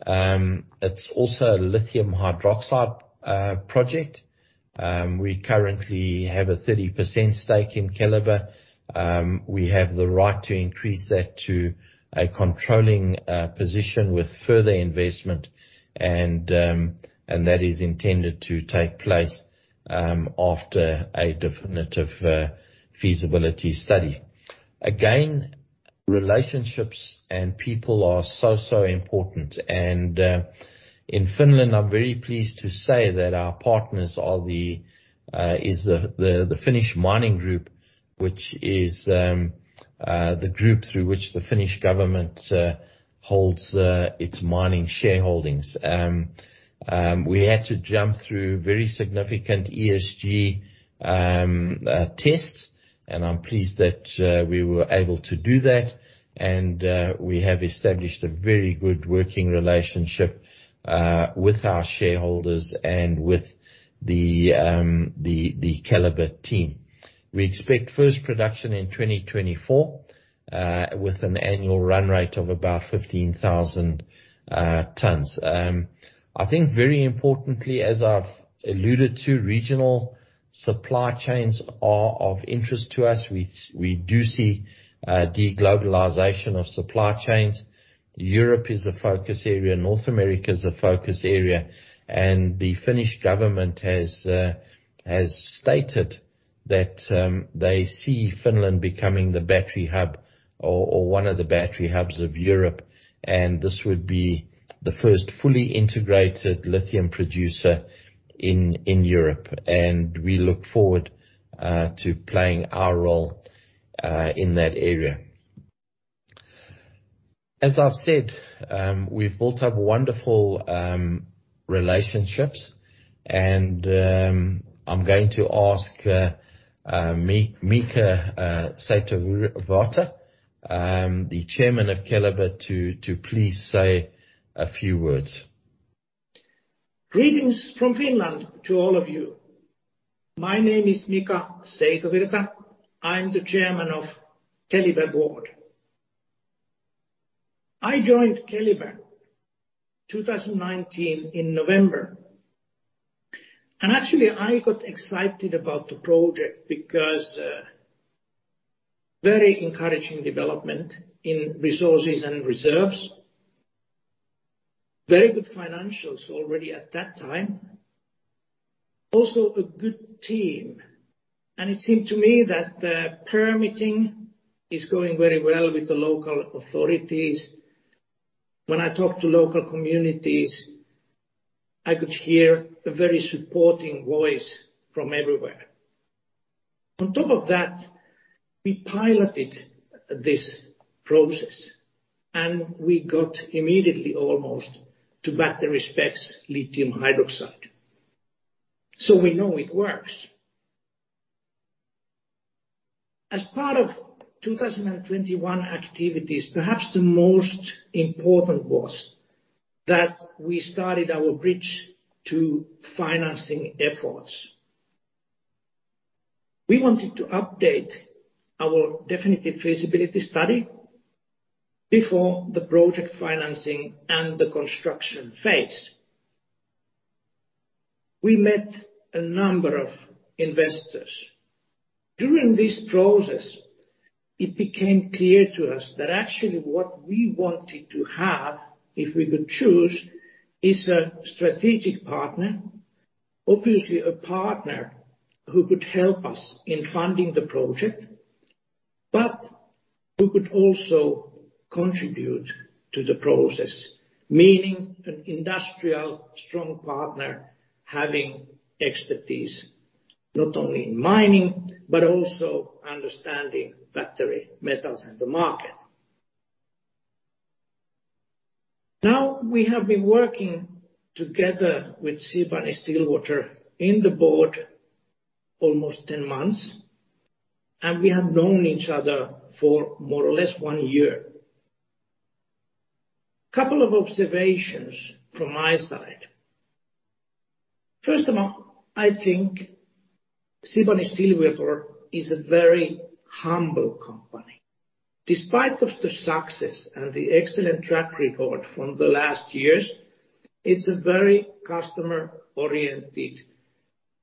It's also a lithium hydroxide project. We currently have a 30% stake in Keliber. We have the right to increase that to a controlling position with further investment and that is intended to take place after a definitive feasibility study. Again, relationships and people are so important and in Finland, I'm very pleased to say that our partners are the Finnish Minerals Group, which is the group through which the Finnish government holds its mining shareholdings. We had to jump through very significant ESG tests, and I'm pleased that we were able to do that. We have established a very good working relationship with our shareholders and with the Keliber team. We expect first production in 2024 with an annual run rate of about 15,000 tons. I think very importantly, as I've alluded to, regional supply chains are of interest to us. We do see de-globalization of supply chains. Europe is a focus area, North America is a focus area. The Finnish government has stated that they see Finland becoming the battery hub or one of the battery hubs of Europe, and this would be the first fully integrated lithium producer in Europe. We look forward to playing our role in that area. As I've said, we've built up wonderful relationships and I'm going to ask Mika Seitovirta, the Chairman of Keliber, to please say a few words.
Greetings from Finland to all of you. My name is Mika Seitovirta. I'm the Chairman of the Keliber Board. I joined Keliber in November 2019, and actually I got excited about the project because very encouraging development in resources and in reserves. Very good financials already at that time. Also a good team, and it seemed to me that the permitting is going very well with the local authorities. When I talk to local communities, I could hear a very supporting voice from everywhere. On top of that, we piloted this process, and we got immediately almost to battery specs lithium hydroxide. We know it works. As part of 2021 activities, perhaps the most important was that we started our bridge to financing efforts. We wanted to update our definitive feasibility study before the project financing and the construction phase. We met a number of investors. During this process, it became clear to us that actually what we wanted to have, if we could choose, is a strategic partner, obviously a partner who could help us in funding the project, but who could also contribute to the process. Meaning an industrial strong partner having expertise not only in mining, but also understanding battery metals and the market. Now, we have been working together with Sibanye-Stillwater in the board almost 10 months, and we have known each other for more or less one year. Couple of observations from my side. First of all, I think Sibanye-Stillwater is a very humble company. Despite of the success and the excellent track record from the last years, it's a very customer-oriented,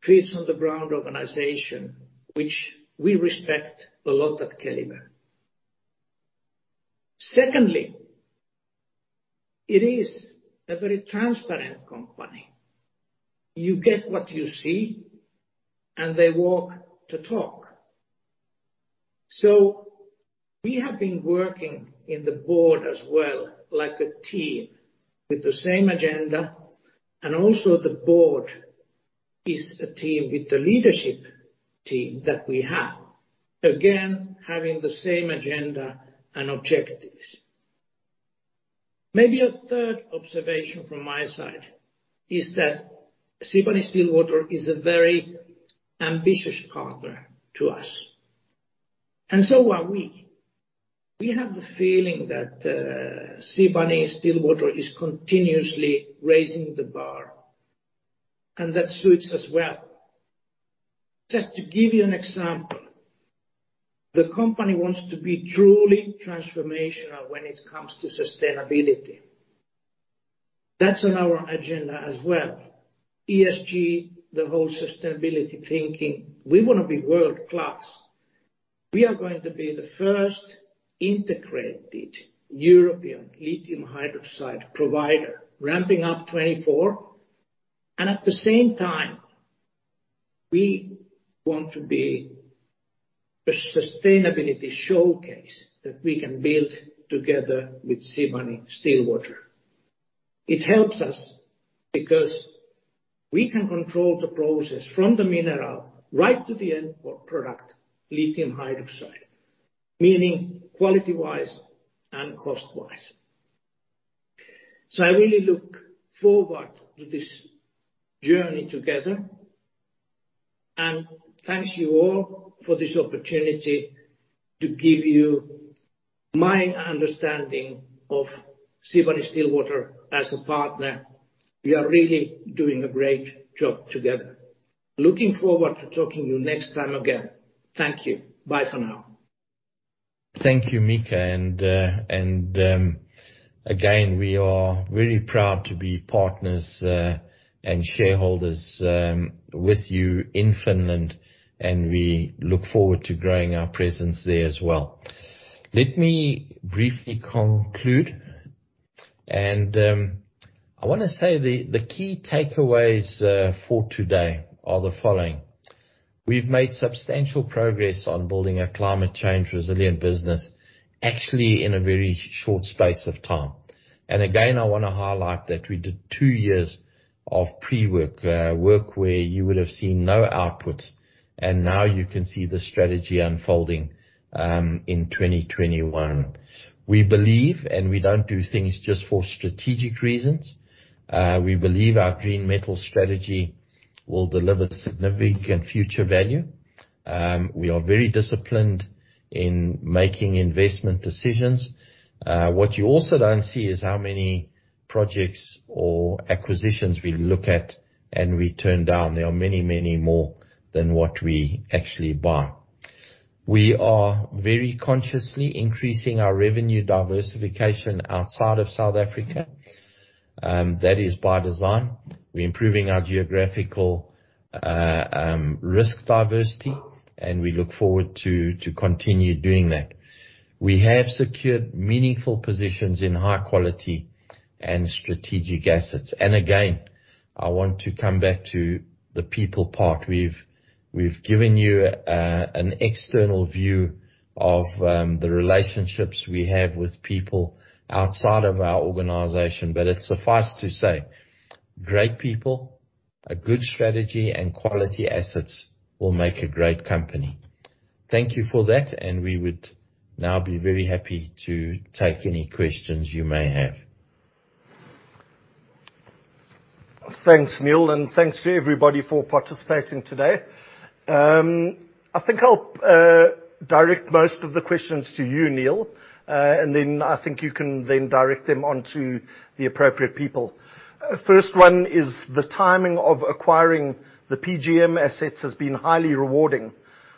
feet on the ground organization, which we respect a lot at Keliber. Secondly, it is a very transparent company. You get what you see, and they walk the talk. We have been working on the board as well like a team with the same agenda, and also the board is a team with the leadership team that we have. Again, having the same agenda and objectives. Maybe a third observation from my side is that Sibanye-Stillwater is a very ambitious partner to us, and so are we. We have the feeling that, Sibanye-Stillwater is continuously raising the bar, and that suits us well. Just to give you an example, the company wants to be truly transformational when it comes to sustainability. That's on our agenda as well. ESG, the whole sustainability thinking, we wanna be world-class. We are going to be the first integrated European lithium hydroxide provider, ramping up 2024, and at the same time, we want to be a sustainability showcase that we can build together with Sibanye-Stillwater. It helps us because we can control the process from the mineral right to the end product, lithium hydroxide, meaning quality-wise and cost-wise. I really look forward to this journey together, and thank you all for this opportunity to give you my understanding of Sibanye-Stillwater as a partner. We are really doing a great job together. Looking forward to talking to you next time again. Thank you. Bye for now.
Thank you, Mika, and again, we are very proud to be partners and shareholders with you in Finland, and we look forward to growing our presence there as well. Let me briefly conclude. I wanna say the key takeaways for today are the following. We've made substantial progress on building a climate change resilient business, actually in a very short space of time. Again, I wanna highlight that we did two years of pre-work where you would have seen no outputs, and now you can see the strategy unfolding in 2021. We believe, and we don't do things just for strategic reasons, we believe our green metal strategy will deliver significant future value. We are very disciplined in making investment decisions. What you also don't see is how many projects or acquisitions we look at and we turn down. There are many, many more than what we actually buy. We are very consciously increasing our revenue diversification outside of South Africa. That is by design. We're improving our geographical risk diversity, and we look forward to continue doing that. We have secured meaningful positions in high quality and strategic assets. Again, I want to come back to the people part. We've given you an external view of the relationships we have with people outside of our organization, but it's suffice to say, great people, a good strategy, and quality assets will make a great company. Thank you for that, and we would now be very happy to take any questions you may have.
Thanks, Neal, and thanks to everybody for participating today. I think I'll direct most of the questions to you, Neal, and then I think you can direct them on to the appropriate people. First one is, the timing of acquiring the PGM assets has been highly rewarding.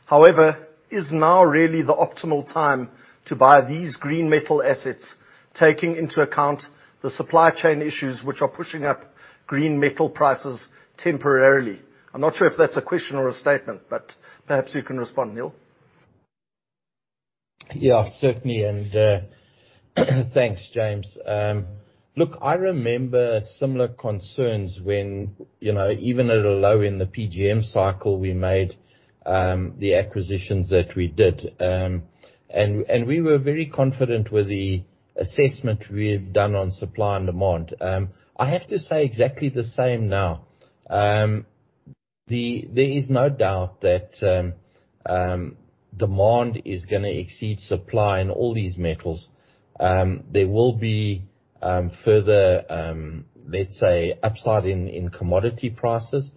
However, is now really the optimal time to buy these green metal assets, taking into account the supply chain issues which are pushing up green metal prices temporarily? I'm not sure if that's a question or a statement, but perhaps you can respond, Neal.
Yeah, certainly. Thanks, James. Look, I remember similar concerns when, you know, even at a low in the PGM cycle, we made the acquisitions that we did. We were very confident with the assessment we had done on supply and demand. I have to say exactly the same now. There is no doubt that demand is gonna exceed supply in all these metals. There will be further, let's say, upside in commodity prices.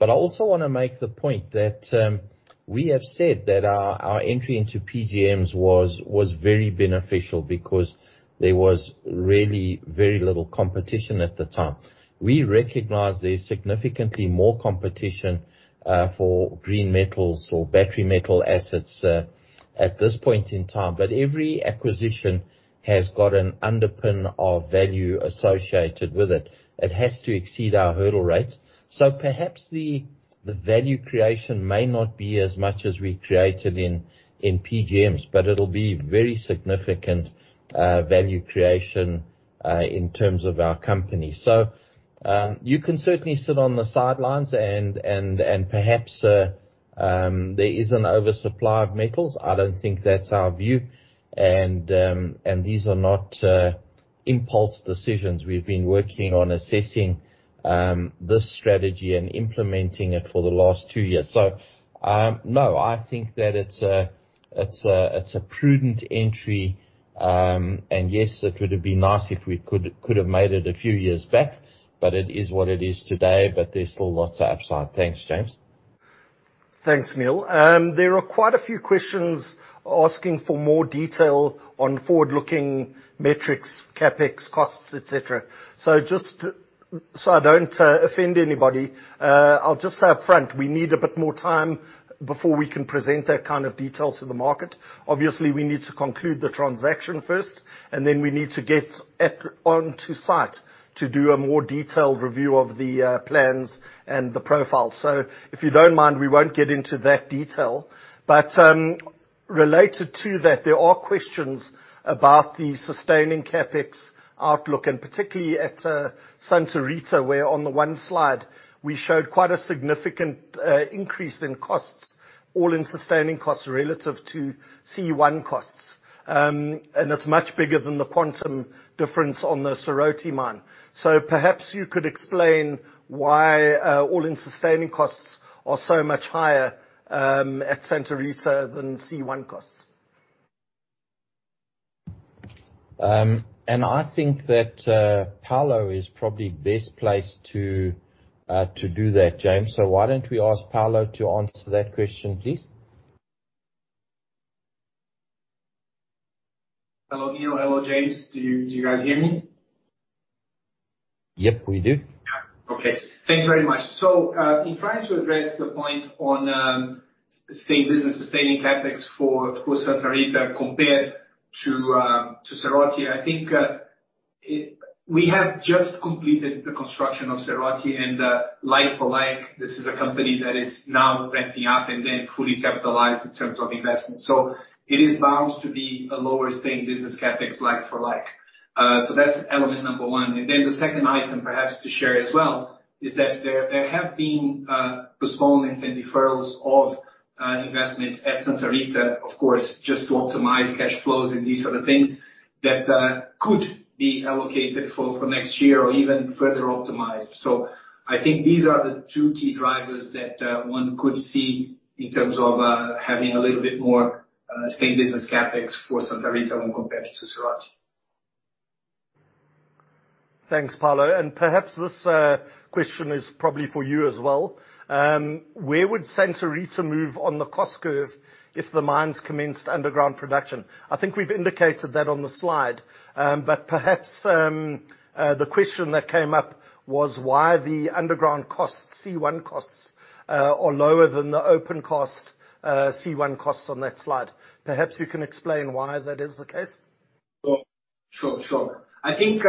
I also wanna make the point that we have said that our entry into PGMs was very beneficial because there was really very little competition at the time. We recognize there's significantly more competition for green metals or battery metal assets at this point in time. Every acquisition has got an underpin of value associated with it. It has to exceed our hurdle rates. Perhaps the value creation may not be as much as we created in PGMs, but it'll be very significant value creation in terms of our company. You can certainly sit on the sidelines and perhaps there is an oversupply of metals. I don't think that's our view. These are not impulse decisions. We've been working on assessing this strategy and implementing it for the last two years. No, I think that it's a prudent entry. Yes, it would have been nice if we could have made it a few years back, but it is what it is today, but there's still lots of upside. Thanks, James.
Thanks, Neal. There are quite a few questions asking for more detail on forward-looking metrics, CapEx, costs, et cetera. Just so I don't offend anybody, I'll just say up front, we need a bit more time before we can present that kind of detail to the market. Obviously, we need to conclude the transaction first, and then we need to get onto site to do a more detailed review of the plans and the profile. If you don't mind, we won't get into that detail. Related to that, there are questions about the sustaining CapEx outlook, and particularly at Santa Rita, where on the one slide, we showed quite a significant increase in costs, all-in sustaining costs relative to C1 costs. It's much bigger than the quantum difference on the Serrote mine. Perhaps you could explain why all-in sustaining costs are so much higher at Santa Rita than C1 costs.
I think that Paulo is probably best placed to do that, James. Why don't we ask Paulo to answer that question, please?
Hello, Neal. Hello, James. Do you guys hear me?
Yep, we do.
Yeah. Okay. Thanks very much. In trying to address the point on, say, business-sustaining CapEx for Santa Rita compared to Serrote, I think, we have just completed the construction of Serrote and, like for like, this is a company that is now ramping up and then fully capitalized in terms of investment. So it is bound to be a lower sustaining business CapEx like for like. So that's element number one. The second item, perhaps, to share as well, is that there have been, postponements and deferrals of, investment at Santa Rita, of course, just to optimize cash flows and these sort of things that, could be allocated for next year or even further optimized. I think these are the two key drivers that one could see in terms of having a little bit more spent business CapEx for Santa Rita when compared to Serrote.
Thanks, Paulo. Perhaps this question is probably for you as well. Where would Santa Rita move on the cost curve if the mines commenced underground production? I think we've indicated that on the slide. Perhaps the question that came up was why the underground costs, C1 costs, are lower than the open-pit costs, C1 costs on that slide. Perhaps you can explain why that is the case.
Sure. I think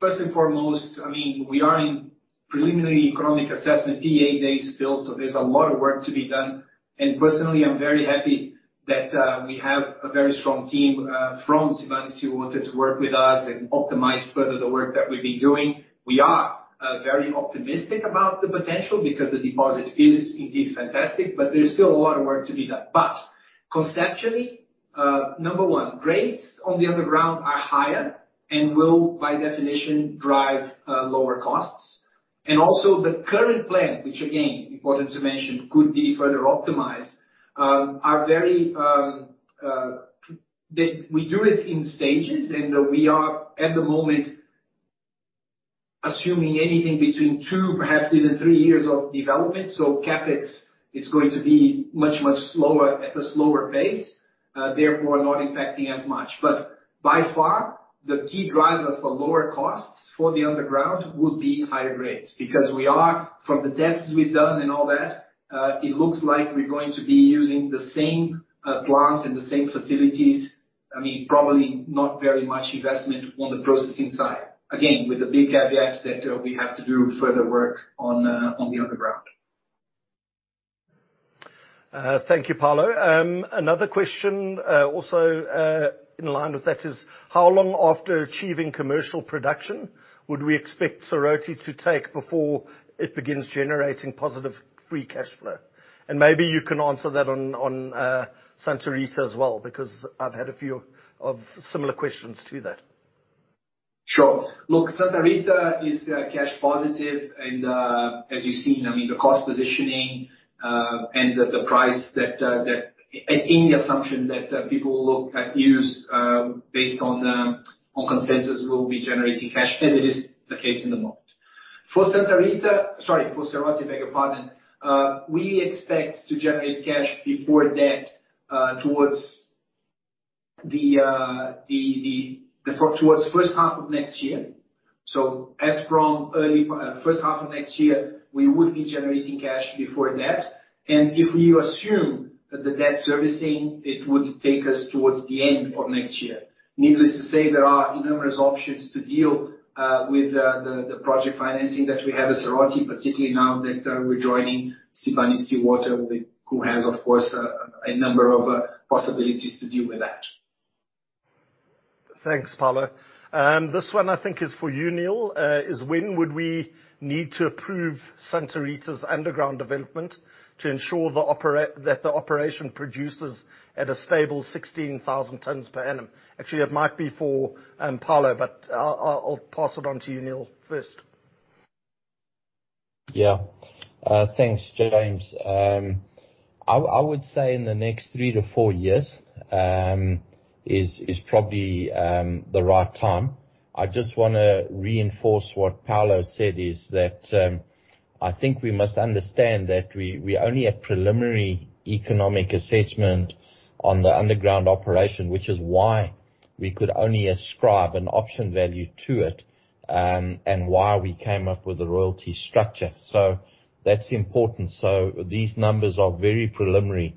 first and foremost, I mean, we are in preliminary economic assessment, PEA phase still, so there's a lot of work to be done. Personally, I'm very happy that we have a very strong team from Sibanye-Stillwater to work with us and optimize further the work that we've been doing. We are very optimistic about the potential because the deposit is indeed fantastic, but there's still a lot of work to be done. Conceptually, number one, grades on the underground are higher and will, by definition, drive lower costs. Also the current plan, which again, important to mention, could be further optimized. We do it in stages, and we are, at the moment, assuming anything between two, perhaps even three years of development. CapEx is going to be much, much slower, at a slower pace, therefore not impacting as much. By far, the key driver for lower costs for the underground would be higher grades. From the tests we've done and all that, it looks like we're going to be using the same plant and the same facilities. I mean, probably not very much investment on the processing side. Again, with the big caveat that we have to do further work on the underground.
Thank you, Paulo. Another question, also in line with that is, how long after achieving commercial production would we expect Serrote to take before it begins generating positive free cash flow? Maybe you can answer that on Santa Rita as well, because I've had a few similar questions to that.
Sure. Look, Santa Rita is cash positive, and as you've seen, I mean, the cost positioning, and the price that that. Any assumption that people look at use based on the consensus, will be generating cash as it is the case in the moment. For Santa Rita. Sorry, for Serrote, beg your pardon, we expect to generate cash before debt towards the first half of next year. As from first half of next year, we would be generating cash before debt. If you assume the debt servicing, it would take us towards the end of next year. Needless to say, there are numerous options to deal with the project financing that we have at Serrote, particularly now that we're joining Sibanye-Stillwater, who has, of course, a number of possibilities to deal with that.
Thanks, Paulo. This one, I think is for you, Neal. Is when would we need to approve Santa Rita's underground development to ensure that the operation produces at a stable 16,000 tons per annum? Actually, it might be for Paulo, but I'll pass it on to you, Neal, first.
Yeah. Thanks, James. I would say in the next three-four years is probably the right time. I just wanna reinforce what Paulo said, is that I think we must understand that we're only at preliminary economic assessment on the underground operation, which is why we could only ascribe an option value to it and why we came up with a royalty structure. That's important. These numbers are very preliminary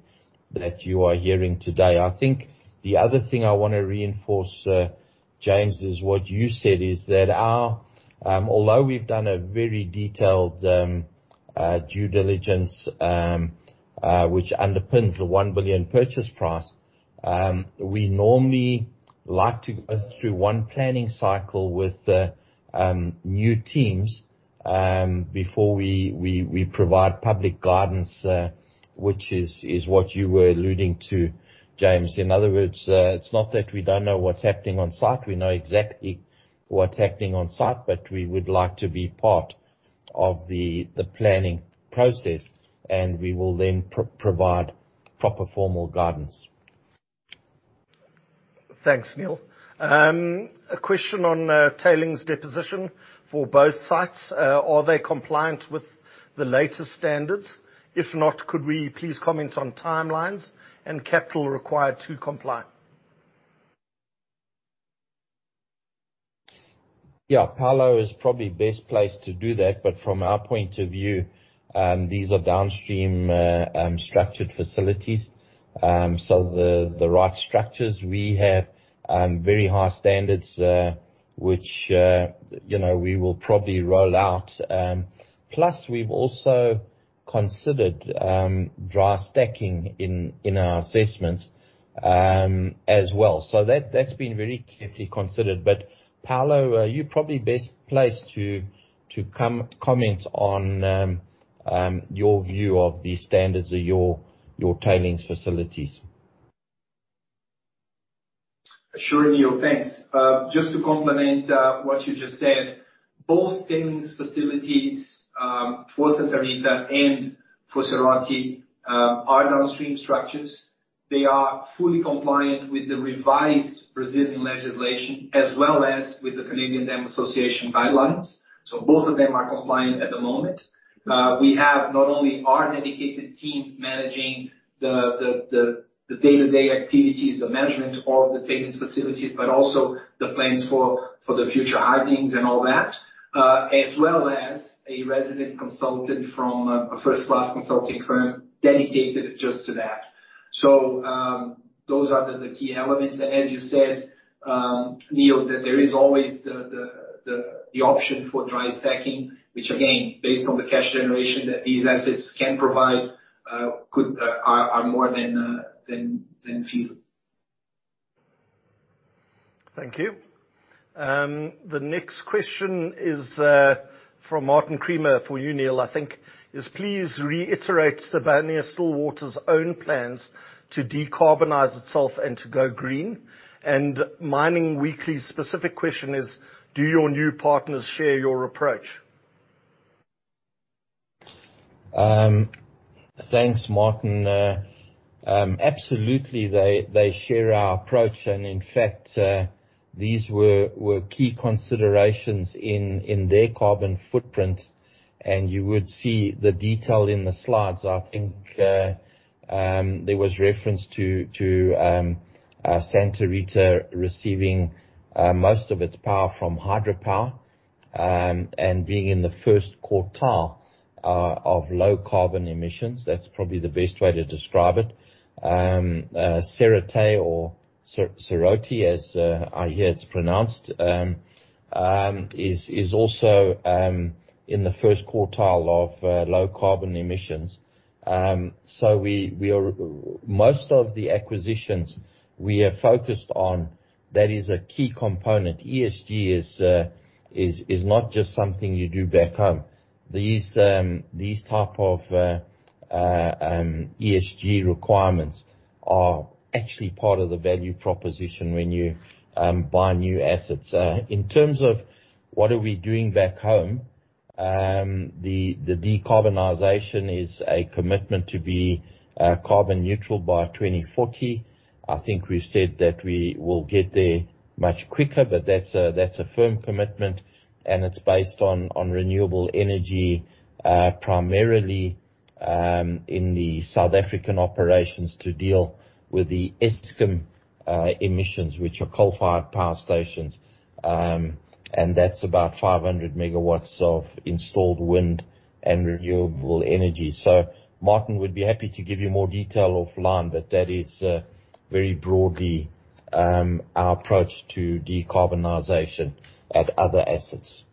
that you are hearing today. I think the other thing I wanna reinforce, James, is what you said, that although we've done a very detailed due diligence, which underpins the $1 billion purchase price, we normally like to go through one planning cycle with the new teams before we provide public guidance, which is what you were alluding to, James. In other words, it's not that we don't know what's happening on site. We know exactly what's happening on site, but we would like to be part of the planning process, and we will then provide proper formal guidance.
Thanks, Neal. A question on tailings deposition for both sites. Are they compliant with the latest standards? If not, could we please comment on timelines and capital required to comply?
Yeah. Paulo is probably best placed to do that, but from our point of view, these are downstream structured facilities. The right structures we have very high standards, which you know we will probably roll out. Plus, we've also considered dry stacking in our assessments as well. That's been very carefully considered. Paulo, you're probably best placed to comment on your view of the standards of your tailings facilities.
Sure, Neal. Thanks. Just to complement what you just said, both tailings facilities for Santa Rita and for Serrote are downstream structures. They are fully compliant with the revised Brazilian legislation, as well as with the Canadian Dam Association guidelines. Both of them are compliant at the moment. We have not only our dedicated team managing the day-to-day activities, the management of the tailings facilities, but also the plans for the future huggings and all that, as well as a resident consultant from a first-class consulting firm dedicated just to that. Those are the key elements. As you said, Neal, that there is always the option for dry stacking, which again, based on the cash generation that these assets can provide, are more than feasible.
Thank you. The next question is, from Martin Creamer for you, Neal, I think, is please reiterate Sibanye-Stillwater's own plans to decarbonize itself and to go green. Mining Weekly's specific question is, do your new partners share your approach?
Thanks, Martin. Absolutely, they share our approach and in fact, these were key considerations in their carbon footprint, and you would see the detail in the slides. I think, there was reference to Santa Rita receiving most of its power from hydropower and being in the first quartile of low carbon emissions. That's probably the best way to describe it. Serrote, as I hear it's pronounced, is also in the first quartile of low carbon emissions. Most of the acquisitions we are focused on, that is a key component. ESG is not just something you do back home. These type of ESG requirements are actually part of the value proposition when you buy new assets. In terms of what are we doing back home, the decarbonization is a commitment to be carbon neutral by 2040. I think we've said that we will get there much quicker, but that's a firm commitment, and it's based on renewable energy primarily in the South African operations to deal with the Eskom emissions, which are coal-fired power stations. That's about 500 MW of installed wind and renewable energy. Martin would be happy to give you more detail offline, but that is very broadly our approach to decarbonization at other assets.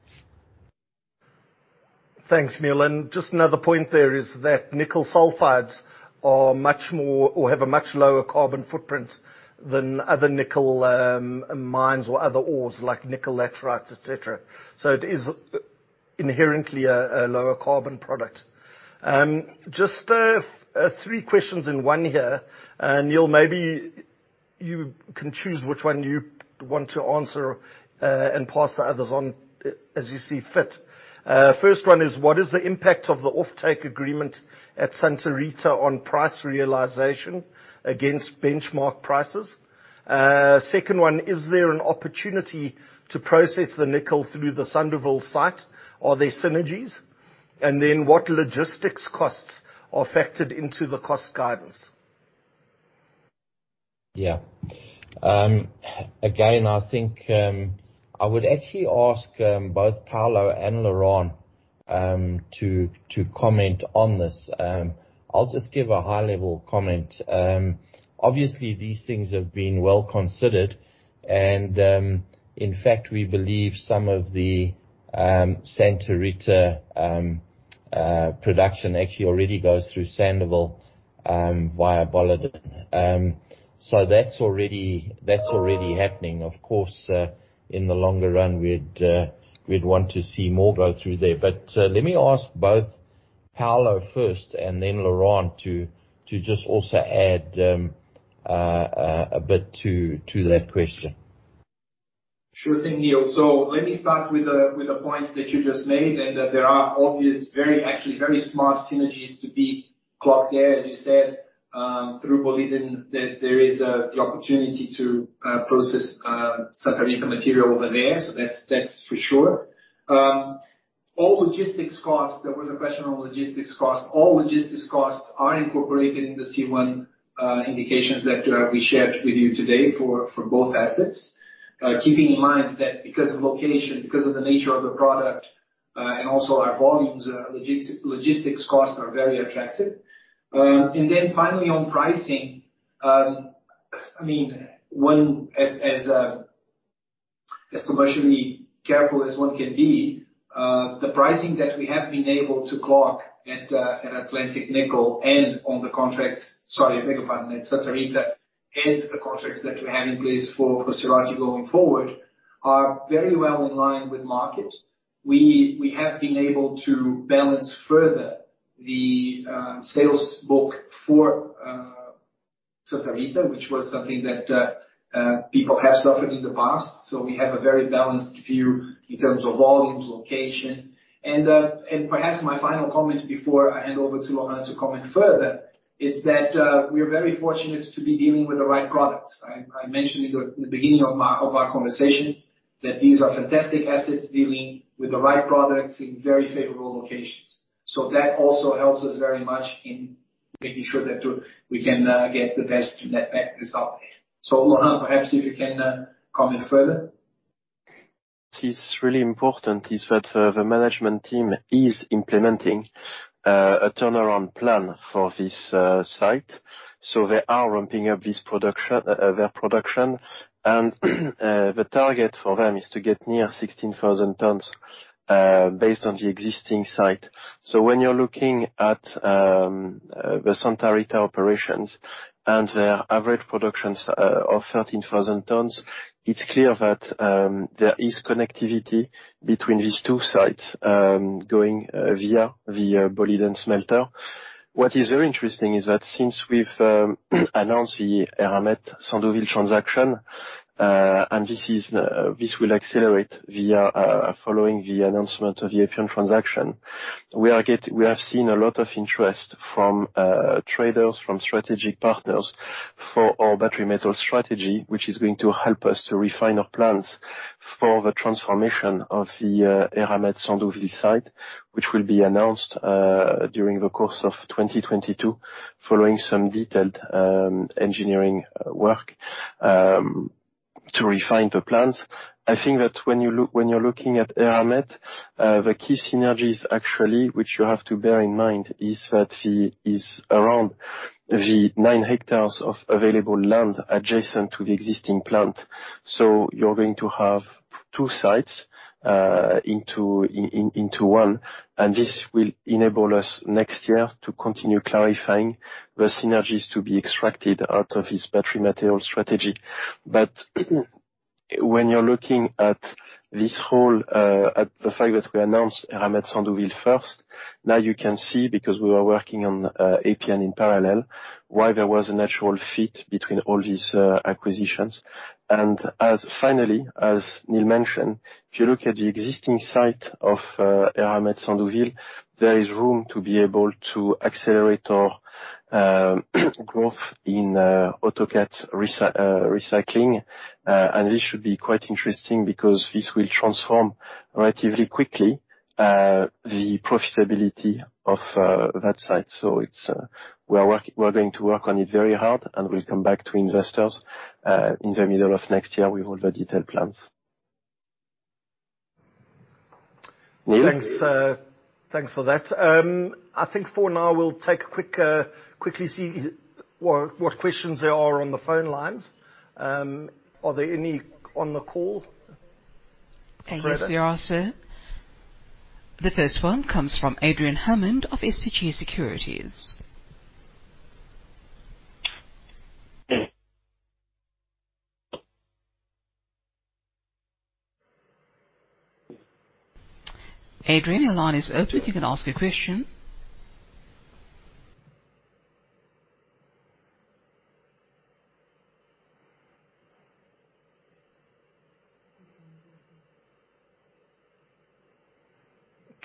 Thanks, Neal. Just another point there is that nickel sulfides have a much lower carbon footprint than other nickel mines or other ores, like nickel laterites, et cetera. So it is inherently a lower carbon product. Just three questions in one here. Neal, maybe you can choose which one you want to answer, and pass the others on as you see fit. First one is, what is the impact of the offtake agreement at Santa Rita on price realization against benchmark prices? Second one, is there an opportunity to process the nickel through the Sandouville site? Are there synergies? And then, what logistics costs are factored into the cost guidance?
Again, I think I would actually ask both Paulo and Laurent to comment on this. I'll just give a high-level comment. Obviously, these things have been well considered, and in fact, we believe some of the Santa Rita production actually already goes through Sandouville via Boliden. So that's already happening. Of course, in the longer run, we'd want to see more go through there. Let me ask both Paulo first and then Laurent to just also add a bit to that question.
Sure thing, Neal. Let me start with the points that you just made, and that there are obvious, very, actually very smart synergies to be unlocked there, as you said, through Boliden, that there is the opportunity to process Santa Rita material over there. That's for sure. All logistics costs, there was a question on logistics costs. All logistics costs are incorporated in the C1 indications that we shared with you today for both assets. Keeping in mind that because of location, because of the nature of the product, and also our volumes, logistics costs are very attractive. Finally on pricing, I mean, when, as commercially careful as one can be, the pricing that we have been able to clock at Atlantic Nickel and on the contracts. Sorry, I beg your pardon. At Santa Rita and the contracts that we have in place for Serrote going forward are very well in line with market. We have been able to balance further the sales book for Santa Rita, which was something that people have suffered in the past. We have a very balanced view in terms of volumes, location. Perhaps my final comment before I hand over to Laurent to comment further is that we are very fortunate to be dealing with the right products. I mentioned in the beginning of our conversation that these are fantastic assets dealing with the right products in very favorable locations. That also helps us very much in making sure that we can get the best netback result. Laurent, perhaps if you can comment further.
It is really important that the management team is implementing a turnaround plan for this site. They are ramping up their production. The target for them is to get near 16,000 tons based on the existing site. When you're looking at the Santa Rita operations and their average production of 13,000 tons, it is clear that there is connectivity between these two sites going via the Boliden smelter. What is very interesting is that since we've announced the Eramet Sandouville transaction, this will accelerate following the announcement of the Appian transaction. We have seen a lot of interest from traders, from strategic partners for our battery metal strategy, which is going to help us to refine our plans for the transformation of the Eramet Sandouville site, which will be announced during the course of 2022 following some detailed engineering work to refine the plans. I think that when you're looking at Eramet, the key synergies actually, which you have to bear in mind, is around the nine hectares of available land adjacent to the existing plant. You're going to have two sites into one, and this will enable us next year to continue clarifying the synergies to be extracted out of this battery material strategy. When you're looking at this whole, at the fact that we announced Eramet Sandouville first, now you can see, because we were working on Appian in parallel, why there was a natural fit between all these acquisitions. Finally, as Neal mentioned, if you look at the existing site of Eramet Sandouville, there is room to be able to accelerate our growth in autocatalyst recycling. This should be quite interesting because this will transform relatively quickly the profitability of that site. We're going to work on it very hard and we'll come back to investors in the middle of next year with all the detailed plans.
Thanks for that. I think for now we'll quickly see what questions there are on the phone lines. Are there any on the call?
Yes, there are, sir. The first one comes from Adrian Hammond of SBG Securities. Adrian, your line is open if you can ask a question.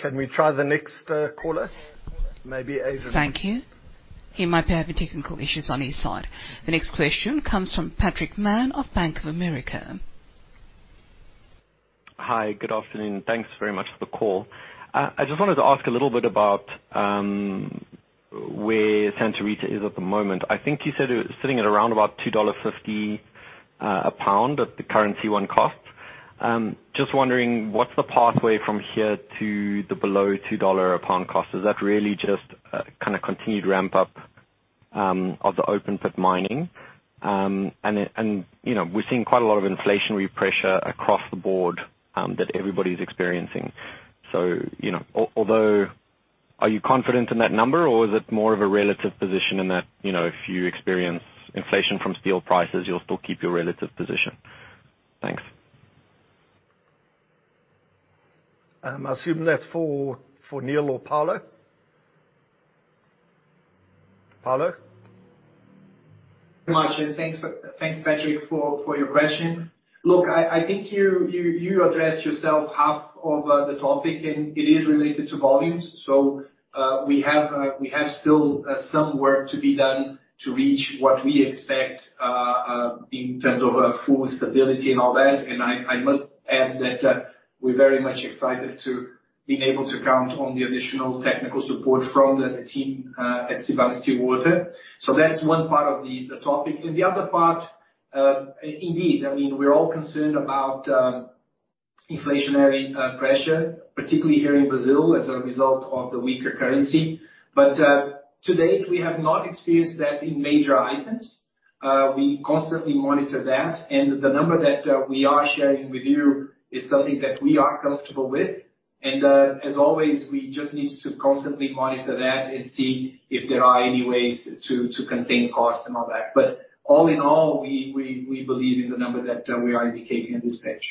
Can we try the next caller? Maybe Adrian-
Thank you. He might be having technical issues on his side. The next question comes from Patrick Mann of Bank of America.
Hi, good afternoon. Thanks very much for the call. I just wanted to ask a little bit about where Santa Rita is at the moment. I think you said it was sitting at around $2.50 a pound at the current C1 cost. Just wondering what's the pathway from here to the below $2 a pound cost? Is that really just kinda continued ramp up of the open pit mining? And, you know, we're seeing quite a lot of inflationary pressure across the board that everybody's experiencing. You know, although are you confident in that number, or is it more of a relative position in that, you know, if you experience inflation from steel prices, you'll still keep your relative position? Thanks.
I assume that's for Neal or Paulo. Paulo?
Mucho. Thanks, Patrick, for your question. Look, I think you addressed yourself half of the topic and it is related to volumes. We have still some work to be done to reach what we expect in terms of full stability and all that. I must add that we're very much excited to being able to count on the additional technical support from the team at Sibanye-Stillwater. That's one part of the topic. The other part, indeed, I mean, we're all concerned about inflationary pressure, particularly here in Brazil as a result of the weaker currency. To date, we have not experienced that in major items. We constantly monitor that, and the number that we are sharing with you is something that we are comfortable with. As always, we just need to constantly monitor that and see if there are any ways to contain costs and all that. All in all, we believe in the number that we are indicating at this stage.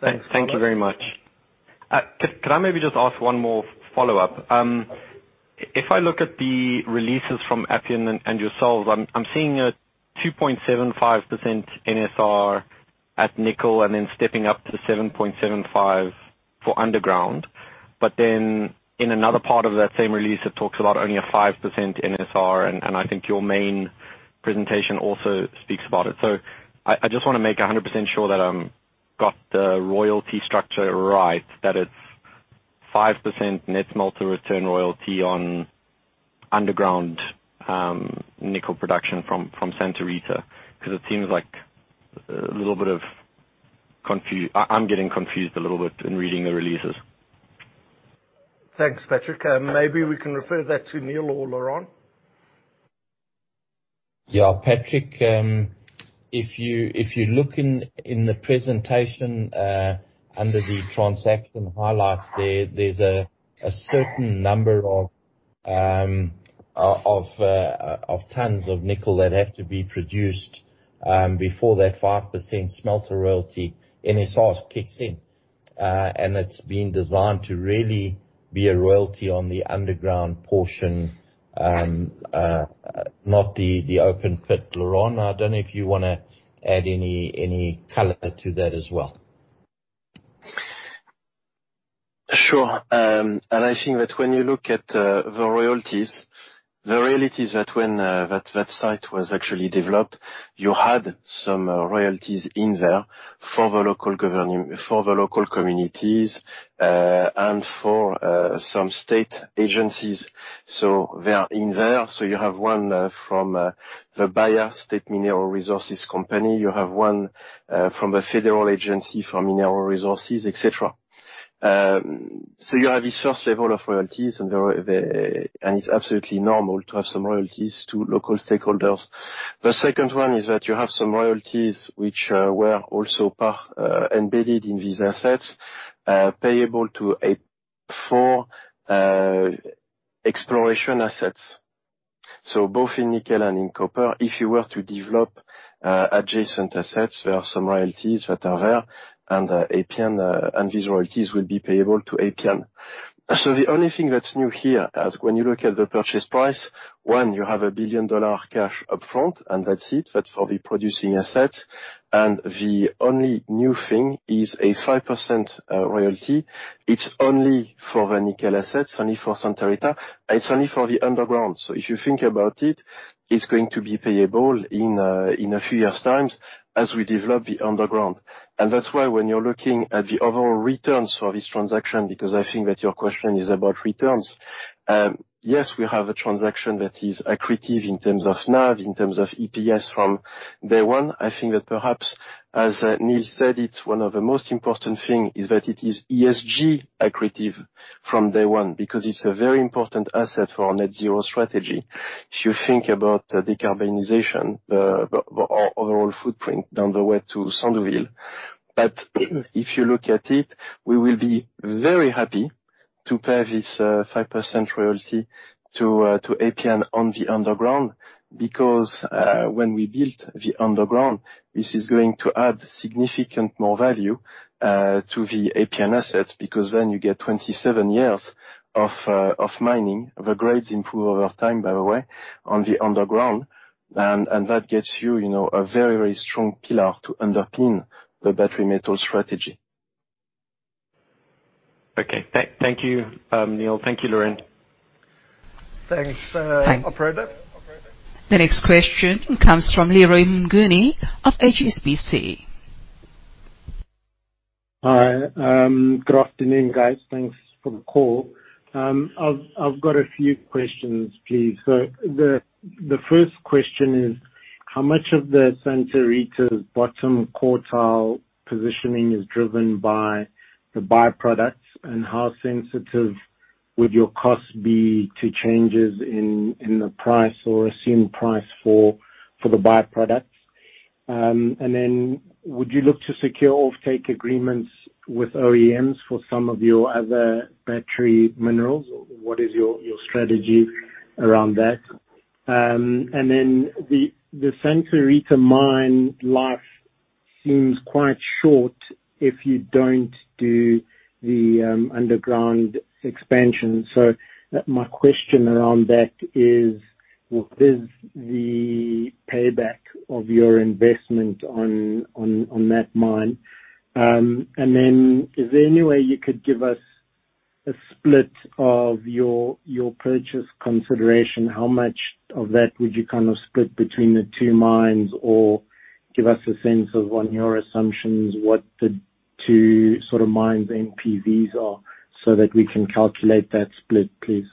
Thanks.
Thank you very much. Could I maybe just ask one more follow-up? If I look at the releases from Appian and yourselves, I'm seeing a 2.75% NSR at nickel and then stepping up to 7.75% for underground. But then in another part of that same release, it talks about only a 5% NSR, and I think your main presentation also speaks about it. So I just wanna make 100% sure that I've got the royalty structure right, that it's 5% net smelter return royalty on underground nickel production from Santa Rita, 'cause it seems like a little bit. I'm getting confused a little bit in reading the releases.
Thanks, Patrick. Maybe we can refer that to Neal or Laurent.
Yeah. Patrick, if you look in the presentation under the transaction highlights there's a certain number of tons of nickel that have to be produced before that 5% smelter royalty NSR kicks in. It's been designed to really be a royalty on the underground portion, not the open pit. Laurent, I don't know if you wanna add any color to that as well.
Sure. I think that when you look at the royalties, the reality is that when that site was actually developed, you had some royalties in there for the local communities, and for some state agencies. They are in there. You have one from the state mineral resources company. You have one from the federal agency for mineral resources, et cetera. You have this first level of royalties, and it's absolutely normal to have some royalties to local stakeholders. The second one is that you have some royalties which were also embedded in these assets, payable for exploration assets. Both in nickel and in copper, if you were to develop adjacent assets, there are some royalties that are there and Appian and these royalties will be payable to Appian. The only thing that's new here, as when you look at the purchase price, one, you have a $1 billion cash up front, and that's it. That's for the producing assets. The only new thing is a 5% royalty. It's only for the nickel assets, only for Santa Rita. It's only for the underground. If you think about it's going to be payable in a few years' times as we develop the underground. That's why when you're looking at the overall returns for this transaction, because I think that your question is about returns, yes, we have a transaction that is accretive in terms of NAV, in terms of EPS from day one. I think that perhaps, as Neal said, it's one of the most important thing is that it is ESG accretive from day one because it's a very important asset for our net zero strategy, if you think about the decarbonization, our overall footprint on the way to Sandouville. If you look at it, we will be very happy to pay this 5% royalty to Appian on the underground because when we built the underground, this is going to add significant more value to the Appian assets because then you get 27 years of mining. The grades improve over time, by the way, on the underground. That gets you know, a very, very strong pillar to underpin the battery metal strategy.
Okay. Thank you, Neal. Thank you, Laurent.
Thanks, operator.
The next question comes from Leroy Mnguni of HSBC.
Good afternoon, guys. Thanks for the call. I've got a few questions, please. The first question is, how much of the Santa Rita's bottom quartile positioning is driven by the byproducts, and how sensitive would your costs be to changes in the price or assumed price for the byproducts? Would you look to secure offtake agreements with OEMs for some of your other battery minerals? What is your strategy around that? The Santa Rita mine life seems quite short if you don't do the underground expansion. My question around that is, what is the payback of your investment on that mine? Is there any way you could give us a split of your purchase consideration? How much of that would you kind of split between the two mines? Or give us a sense of, on your assumptions, what the two sort of mines NPVs are so that we can calculate that split, please.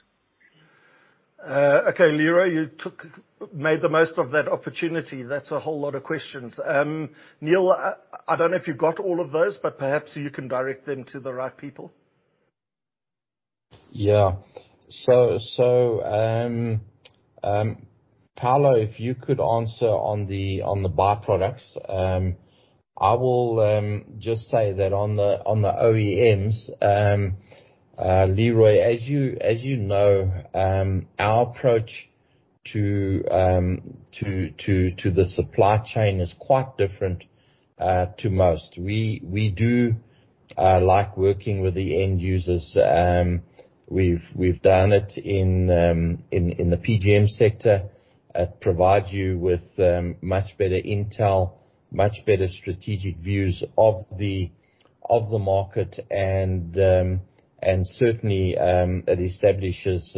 Okay, Leroy, you made the most of that opportunity. That's a whole lot of questions. Neal, I don't know if you got all of those, but perhaps you can direct them to the right people.
Paulo, if you could answer on the by-products. I will just say that on the OEMs, Leroy, as you know, our approach to the supply chain is quite different to most. We do like working with the end users. We've done it in the PGM sector. It provides you with much better intel, much better strategic views of the market and certainly it establishes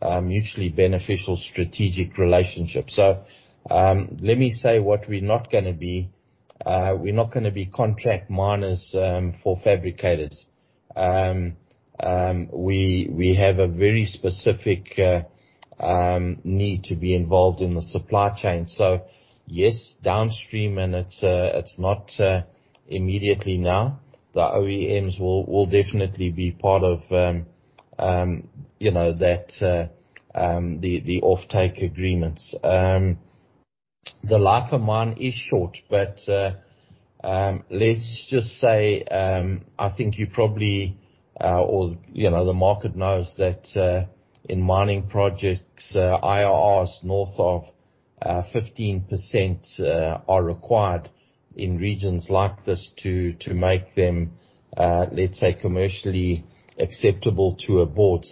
a mutually beneficial strategic relationship. Let me say what we're not gonna be. We're not gonna be contract miners for fabricators. We have a very specific need to be involved in the supply chain. Yes, downstream, and it's not immediately now. The OEMs will definitely be part of, you know, that, the offtake agreements. The life of mine is short, but let's just say, I think you probably, or you know, the market knows that, in mining projects, IRRs north of 15% are required in regions like this to make them, let's say commercially acceptable to a board.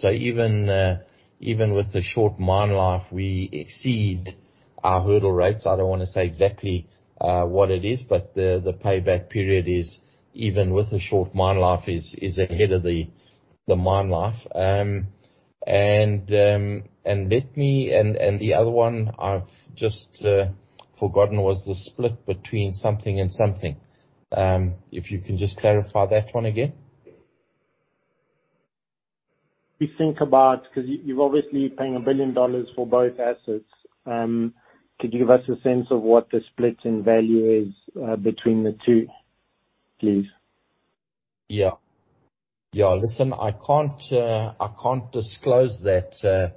Even with the short mine life, we exceed our hurdle rates. I don't wanna say exactly what it is, but the payback period, even with the short mine life, is ahead of the mine life. The other one I've just forgotten was the split between something and something. If you can just clarify that one again.
We think about 'cause you're obviously paying $1 billion for both assets. Could you give us a sense of what the split in value is between the two, please?
Listen, I can't disclose that.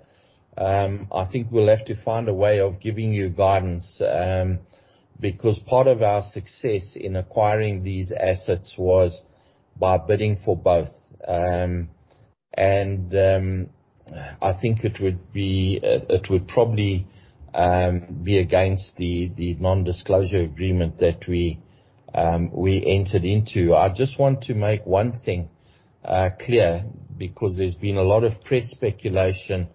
I think we'll have to find a way of giving you guidance, because part of our success in acquiring these assets was by bidding for both. I think it would probably be against the non-disclosure agreement that we entered into. I just want to make one thing clear because there's been a lot of press speculation about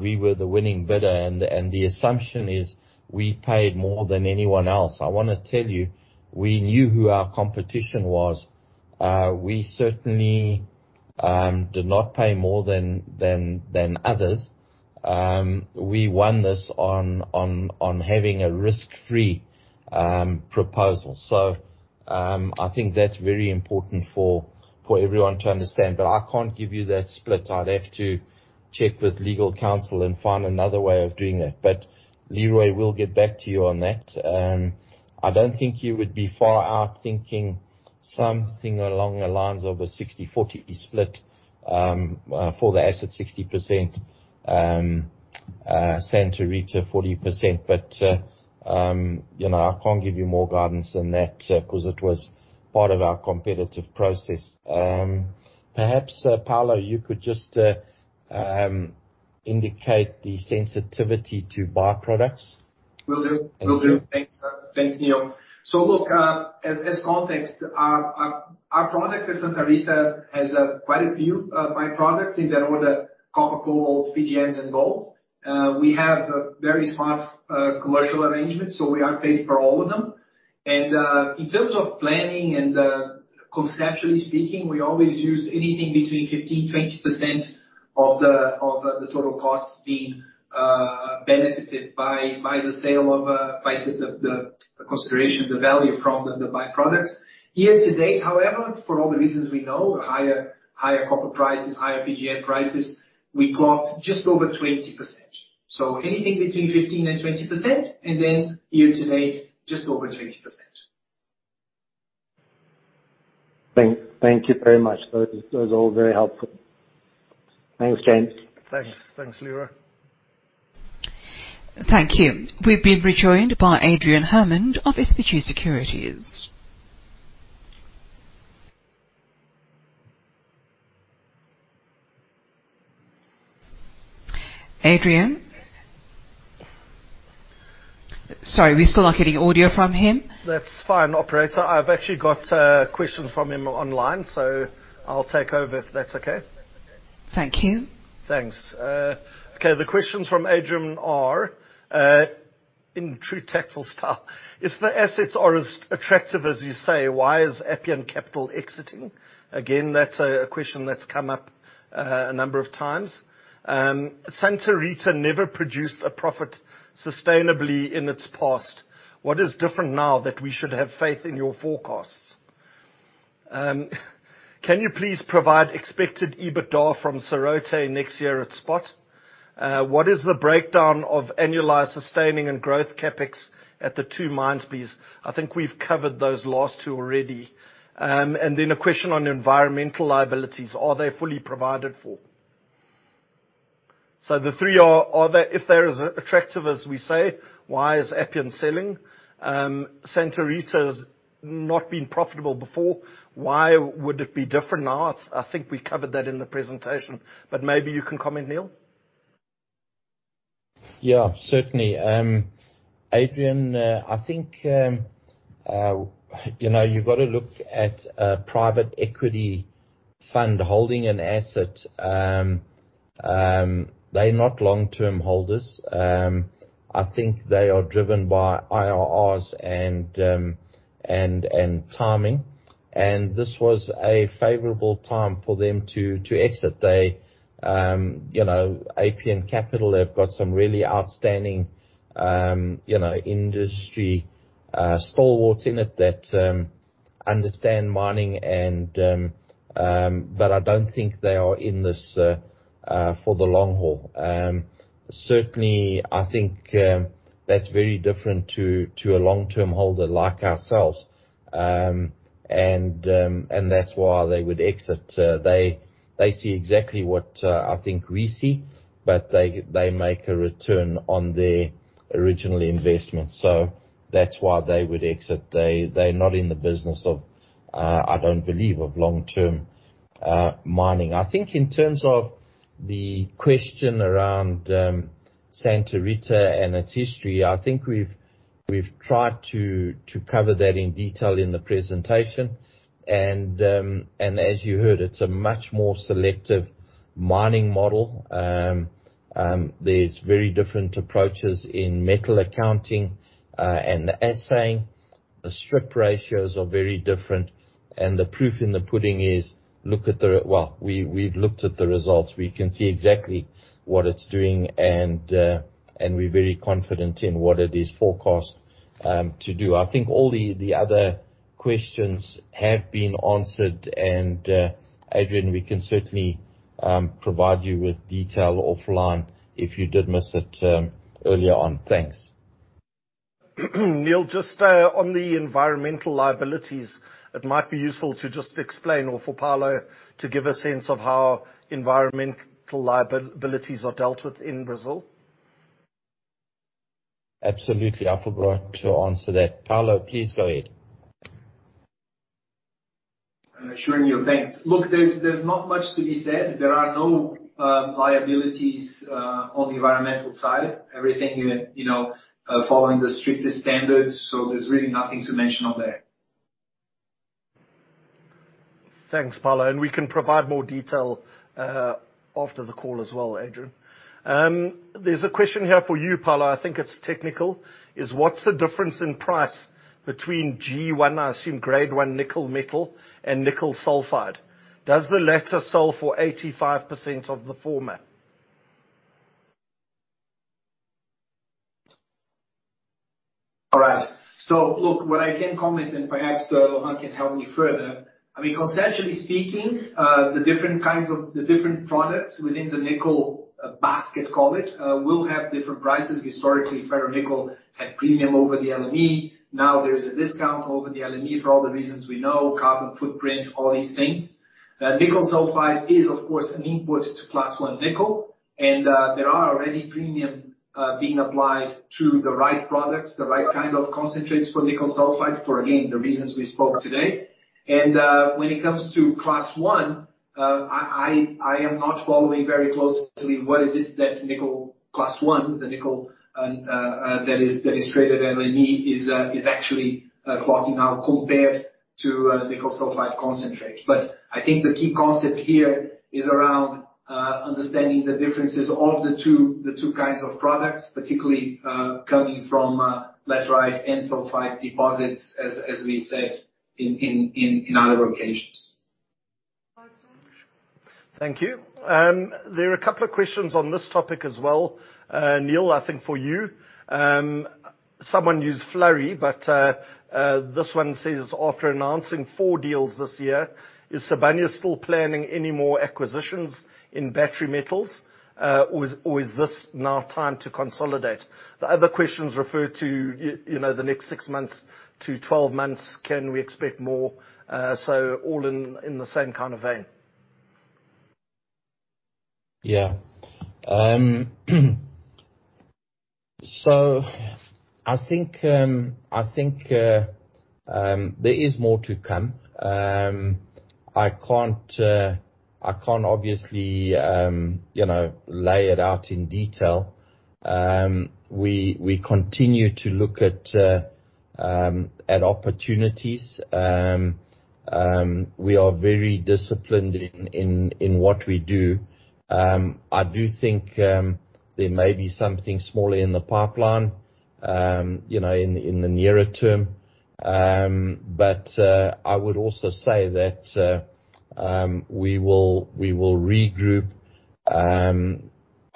we were the winning bidder and the assumption is we paid more than anyone else. I wanna tell you, we knew who our competition was. We certainly did not pay more than others. We won this on having a risk-free proposal. I think that's very important for everyone to understand. I can't give you that split. I'd have to check with legal counsel and find another way of doing that. Leroy will get back to you on that. I don't think you would be far out thinking something along the lines of a 60/40 split, for the asset 60%, Santa Rita 40%. You know, I can't give you more guidance than that, 'cause it was part of our competitive process. Perhaps, Paulo, you could just indicate the sensitivity to by-products.
Will do.
Thank you.
Will do. Thanks. Thanks, Neal. Look, as context, our product at Santa Rita has quite a few by-products in the order copper, gold, PGMs, and gold. We have a very smart commercial arrangement, so we are paying for all of them. In terms of planning and conceptually speaking, we always use anything between 15%-20% of the total costs being benefited by the sale of the consideration, the value from the by-products. Year to date, however, for all the reasons we know, higher copper prices, higher PGM prices, we clocked just over 20%. Anything between 15%-20%, and then year to date, just over 20%.
Thanks. Thank you very much. Those are all very helpful. Thanks, James.
Thanks. Thanks, Leroy.
Thank you. We've been rejoined by Adrian Hammond of SBG Securities. Adrian? Sorry, we still aren't getting audio from him.
That's fine, operator. I've actually got questions from him online, so I'll take over if that's okay.
Thank you.
Thanks. Okay, the questions from Adrian are, in true tactful style. If the assets are as attractive as you say, why is Appian Capital exiting? Again, that's a question that's come up a number of times. Santa Rita never produced a profit sustainably in its past. What is different now that we should have faith in your forecasts? Can you please provide expected EBITDA from Serrote next year at spot? What is the breakdown of annualized sustaining and growth CapEx at the two mines, please? I think we've covered those last two already. And then a question on environmental liabilities, are they fully provided for? So the three are they. If they're as attractive as we say, why is Appian selling? Santa Rita's not been profitable before, why would it be different now? I think we covered that in the presentation, but maybe you can comment, Neal.
Yeah, certainly. Adrian, I think, you know, you've got to look at a private equity fund holding an asset. They're not long-term holders. I think they are driven by IRRs and timing. This was a favorable time for them to exit. They, you know, Appian Capital, they've got some really outstanding, you know, industry stalwarts in it that understand mining. But I don't think they are in this for the long haul. Certainly, I think that's very different to a long-term holder like ourselves. That's why they would exit. They see exactly what I think we see, but they make a return on their original investment. That's why they would exit. They're not in the business of, I don't believe, of long-term mining. I think in terms of the question around Santa Rita and its history, I think we've tried to cover that in detail in the presentation. As you heard, it's a much more selective mining model. There's very different approaches in metal accounting and assaying. The strip ratios are very different. The proof in the pudding is look at the results. We've looked at the results. We can see exactly what it's doing and we're very confident in what it is forecast to do. I think all the other questions have been answered. Adrian, we can certainly provide you with detail offline if you did miss it earlier on. Thanks.
Neal, just, on the environmental liabilities, it might be useful to just explain or for Paulo to give a sense of how environmental liabilities are dealt with in Brazil.
Absolutely. I forgot to answer that. Paulo, please go ahead.
Sure, Neal. Thanks. Look, there's not much to be said. There are no liabilities on the environmental side. Everything is, you know, following the strictest standards, so there's really nothing to mention on that.
Thanks, Paulo. We can provide more detail after the call as well, Adrian. There's a question here for you, Paulo, I think it's technical. What's the difference in price between G1, I assume grade one nickel metal and nickel sulfide? Does the latter sell for 85% of the former?
All right. Look, what I can comment and perhaps Johan can help me further. I mean, conceptually speaking, the different kinds of products within the nickel basket, call it, will have different prices. Historically, ferronickel had premium over the LME. Now there's a discount over the LME for all the reasons we know, carbon footprint, all these things. Nickel sulfide is, of course, an input to class one nickel. There are already premium being applied to the right products, the right kind of concentrates for nickel sulfide for, again, the reasons we spoke today. When it comes to class one, I am not following very closely what it is that Class 1 nickel, the nickel that is traded LME is actually clocking now compared to nickel sulfide concentrate. I think the key concept here is around understanding the differences of the two kinds of products, particularly coming from laterite and sulfide deposits, as we said in other occasions.
Thank you. There are a couple of questions on this topic as well, Neal, I think for you. Someone used flurry, but this one says, after announcing four deals this year, is Sibanye still planning any more acquisitions in battery metals, or is this now time to consolidate? The other questions refer to you know, the next six months to twelve months, can we expect more? All in the same kind of vein.
Yeah. I think there is more to come. I can't obviously, you know, lay it out in detail. We continue to look at opportunities. We are very disciplined in what we do. I do think there may be something smaller in the pipeline, you know, in the nearer term. I would also say that we will regroup,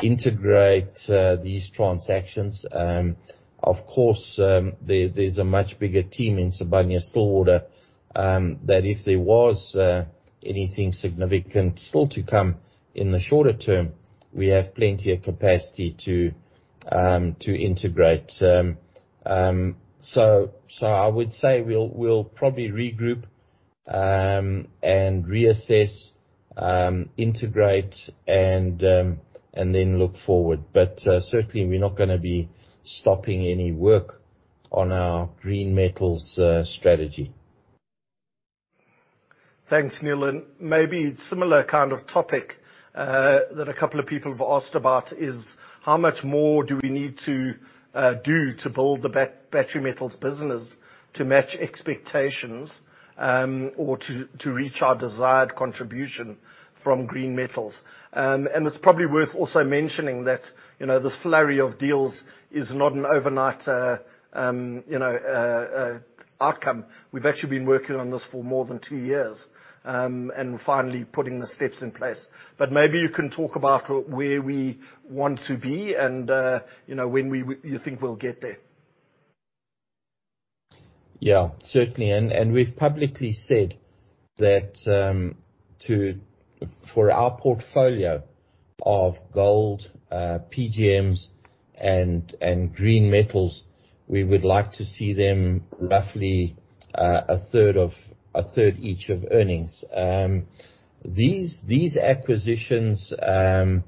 integrate these transactions. Of course, there's a much bigger team in Sibanye-Stillwater that if there was anything significant still to come in the shorter term, we have plenty of capacity to integrate. I would say we'll probably regroup and reassess, integrate and then look forward. Certainly we're not gonna be stopping any work on our green metals strategy.
Thanks, Neal. Maybe similar kind of topic that a couple of people have asked about is how much more do we need to do to build the battery metals business to match expectations, or to reach our desired contribution from green metals? It's probably worth also mentioning that, you know, this flurry of deals is not an overnight outcome. We've actually been working on this for more than two years, and we're finally putting the steps in place. Maybe you can talk about where we want to be and, you know, when you think we'll get there.
Yeah. Certainly. We've publicly said that, for our portfolio of gold, PGMs and green metals, we would like to see them roughly a third each of earnings. These acquisitions and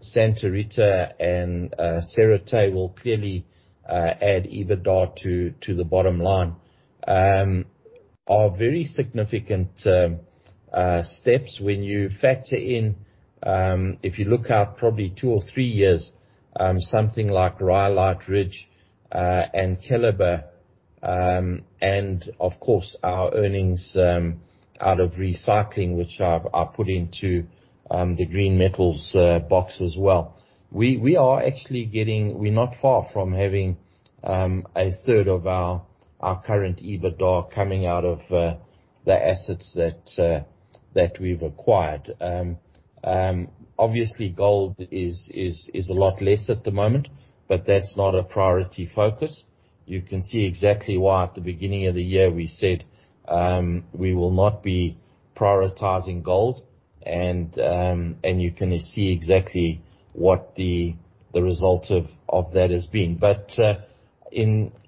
Santa Rita and Serrote will clearly add EBITDA to the bottom line, are very significant steps when you factor in, if you look out probably two or three years, something like Rhyolite Ridge and Keliber, and of course our earnings out of recycling, which I've put into the green metals box as well. We are actually getting. We're not far from having a third of our current EBITDA coming out of the assets that we've acquired. Obviously gold is a lot less at the moment, but that's not a priority focus. You can see exactly why at the beginning of the year we said we will not be prioritizing gold and you can see exactly what the result of that has been.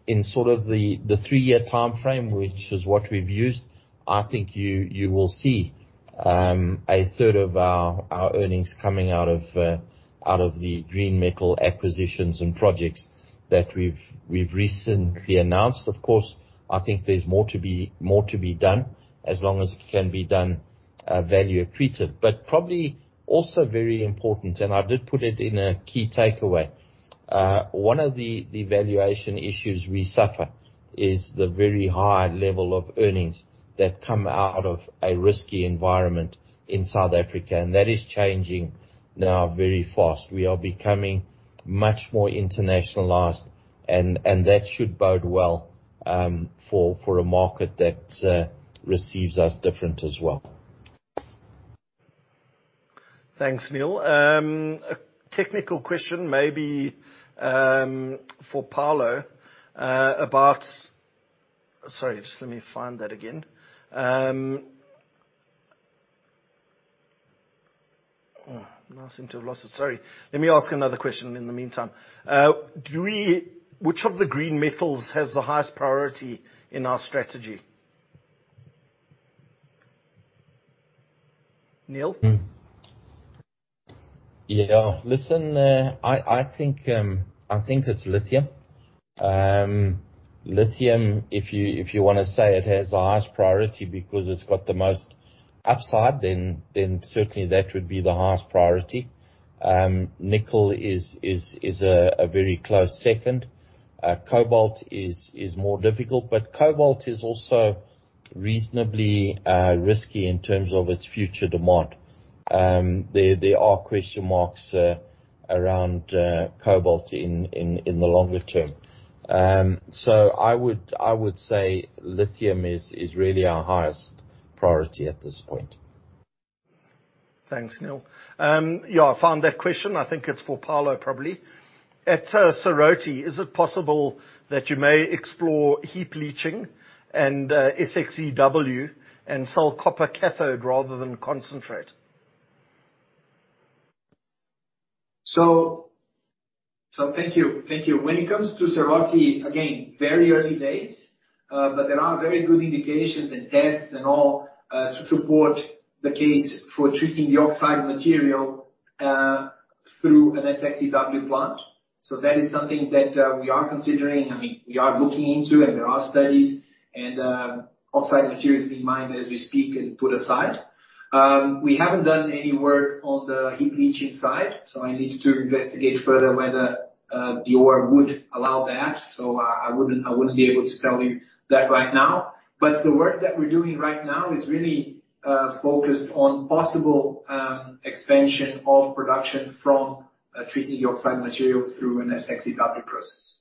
In sort of the three-year timeframe, which is what we've used, I think you will see a third of our earnings coming out of the green metal acquisitions and projects that we've recently announced. Of course, I think there's more to be done as long as it can be done value accretive. Probably also very important, and I did put it in a key takeaway, one of the valuation issues we suffer is the very high level of earnings that come out of a risky environment in South Africa, and that is changing now very fast. We are becoming much more internationalized and that should bode well for a market that receives us different as well.
Thanks, Neal. A technical question maybe, for Paulo, about. Sorry, just let me find that again. Oh, now I seem to have lost it. Sorry. Let me ask another question in the meantime. Which of the green metals has the highest priority in our strategy? Neal?
Yeah. Listen, I think it's lithium. Lithium, if you wanna say it has the highest priority because it's got the most upside, then certainly that would be the highest priority. Nickel is a very close second. Cobalt is more difficult, but cobalt is also reasonably risky in terms of its future demand. There are question marks around cobalt in the longer term. I would say lithium is really our highest priority at this point.
Thanks, Neal. Yeah, I found that question. I think it's for Paulo, probably. At Serrote, is it possible that you may explore heap leaching and SXEW and sell copper cathode rather than concentrate?
Thank you. When it comes to Serrote, again, very early days, but there are very good indications and tests and all, to support the case for treating the oxide material, through an SXEW plant. That is something that we are considering. I mean, we are looking into, and there are studies and oxide materials in mind as we speak and put aside. We haven't done any work on the heap leaching side, I need to investigate further whether the ore would allow that. I wouldn't be able to tell you that right now. The work that we're doing right now is really focused on possible expansion of production from treating the oxide material through an SXEW process.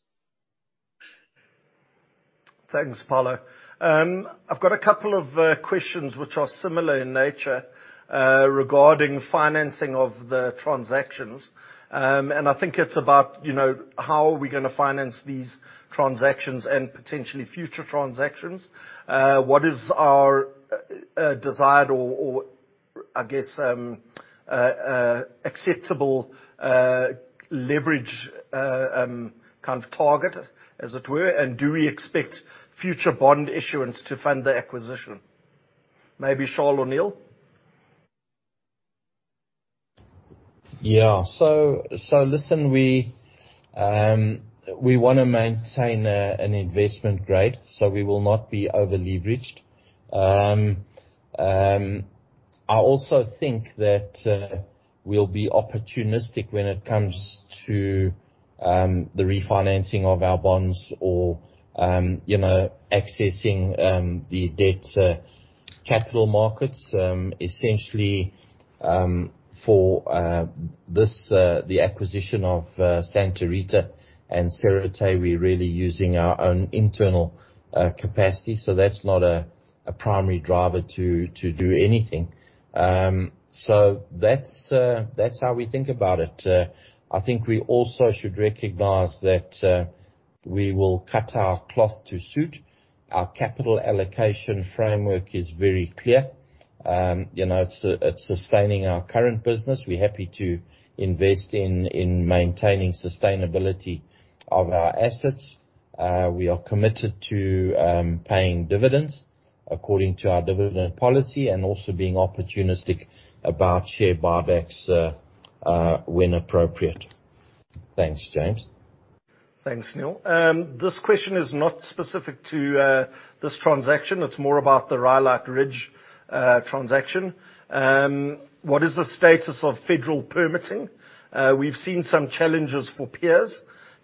Thanks, Paulo. I've got a couple of questions which are similar in nature regarding financing of the transactions. I think it's about, you know, how are we gonna finance these transactions and potentially future transactions? What is our desired or I guess acceptable kind of target, as it were, and do we expect future bond issuance to fund the acquisition? Maybe Charles or Neal.
Yeah. Listen, we wanna maintain an investment grade, so we will not be over-leveraged. I also think that we'll be opportunistic when it comes to the refinancing of our bonds or you know accessing the debt capital markets. Essentially, for the acquisition of Santa Rita and Serrote, we're really using our own internal capacity. That's not a primary driver to do anything. That's how we think about it. I think we also should recognize that we will cut our cloth to suit. Our capital allocation framework is very clear. You know, it's sustaining our current business. We're happy to invest in maintaining sustainability of our assets. We are committed to paying dividends according to our dividend policy and also being opportunistic about share buybacks, when appropriate. Thanks, James.
Thanks, Neal. This question is not specific to this transaction. It's more about the Rhyolite Ridge transaction. What is the status of federal permitting? We've seen some challenges for peers.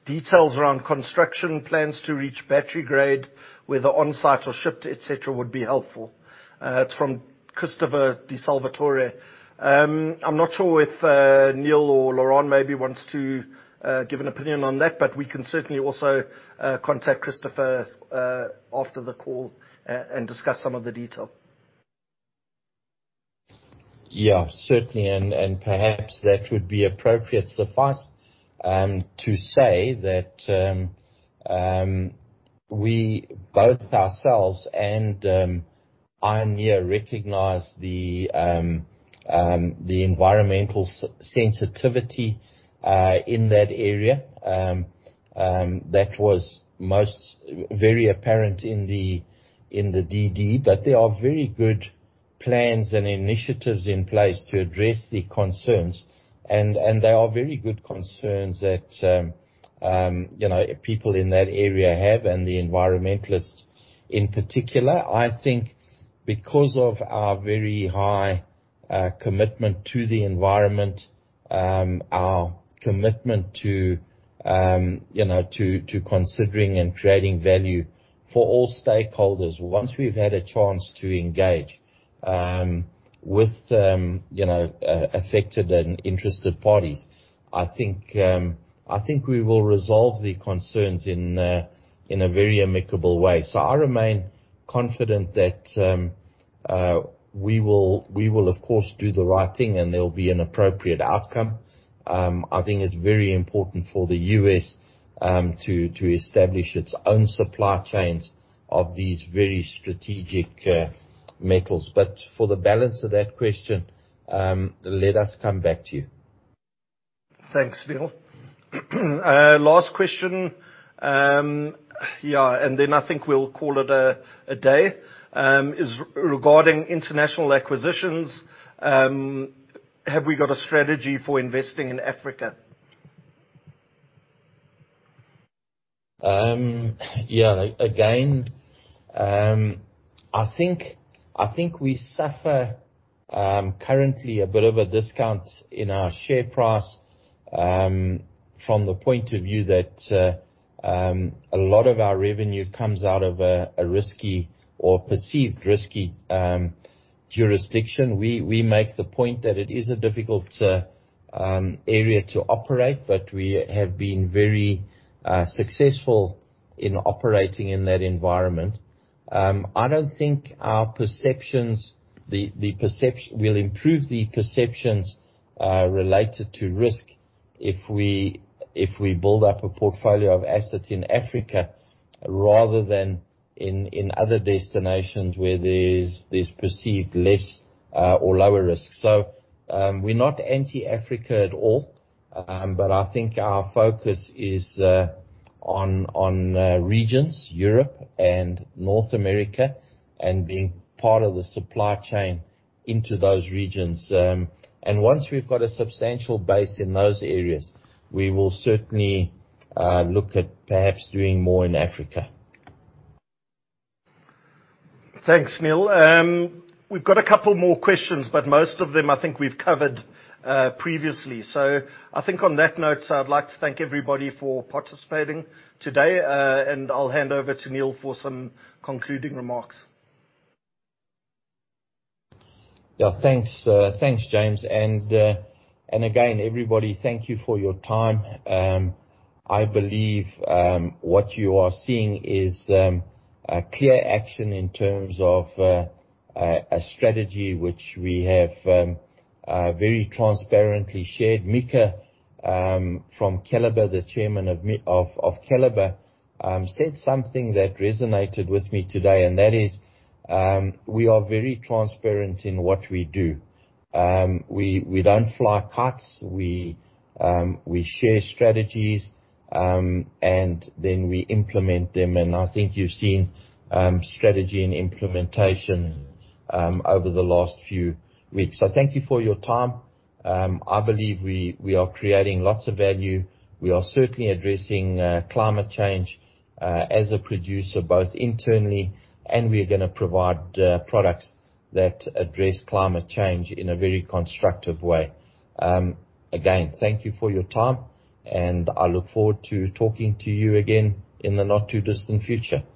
Details around construction plans to reach battery grade, whether on-site or shipped, et cetera, would be helpful. It's from Christopher DeSalvatore. I'm not sure if Neal or Laurent maybe wants to give an opinion on that, but we can certainly also contact Christopher after the call and discuss some of the detail.
Yeah, certainly. Perhaps that would be appropriate. Suffice to say that we both ourselves and Ioneer recognize the environmental sensitivity in that area. That was most very apparent in the DD, but there are very good plans and initiatives in place to address the concerns. They are very good concerns that you know people in that area have, and the environmentalists in particular. I think because of our very high commitment to the environment, our commitment to you know to considering and creating value for all stakeholders, once we've had a chance to engage with you know affected and interested parties, I think we will resolve the concerns in a very amicable way. I remain confident that we will of course do the right thing and there'll be an appropriate outcome. I think it's very important for the U.S. to establish its own supply chains of these very strategic metals. For the balance of that question, let us come back to you.
Thanks, Neal. Last question, yeah, and then I think we'll call it a day, is regarding international acquisitions. Have we got a strategy for investing in Africa?
Yeah. Again, I think we suffer currently a bit of a discount in our share price from the point of view that a lot of our revenue comes out of a risky or perceived risky jurisdiction. We make the point that it is a difficult area to operate, but we have been very successful in operating in that environment. I don't think we'll improve the perceptions related to risk if we build up a portfolio of assets in Africa rather than in other destinations where there's perceived less or lower risk. We're not anti-Africa at all, but I think our focus is on regions, Europe and North America, and being part of the supply chain into those regions. Once we've got a substantial base in those areas, we will certainly look at perhaps doing more in Africa.
Thanks, Neal. We've got a couple more questions, but most of them I think we've covered previously. I think on that note, I'd like to thank everybody for participating today, and I'll hand over to Neal for some concluding remarks.
Yeah. Thanks, James. Again, everybody, thank you for your time. I believe what you are seeing is a clear action in terms of a strategy which we have very transparently shared. Mika from Keliber, the Chairman of Keliber, said something that resonated with me today, and that is, we are very transparent in what we do. We don't fly kites. We share strategies, and then we implement them. I think you've seen strategy and implementation over the last few weeks. Thank you for your time. I believe we are creating lots of value. We are certainly addressing climate change as a producer, both internally, and we are gonna provide products that address climate change in a very constructive way. Again, thank you for your time, and I look forward to talking to you again in the not-too-distant future.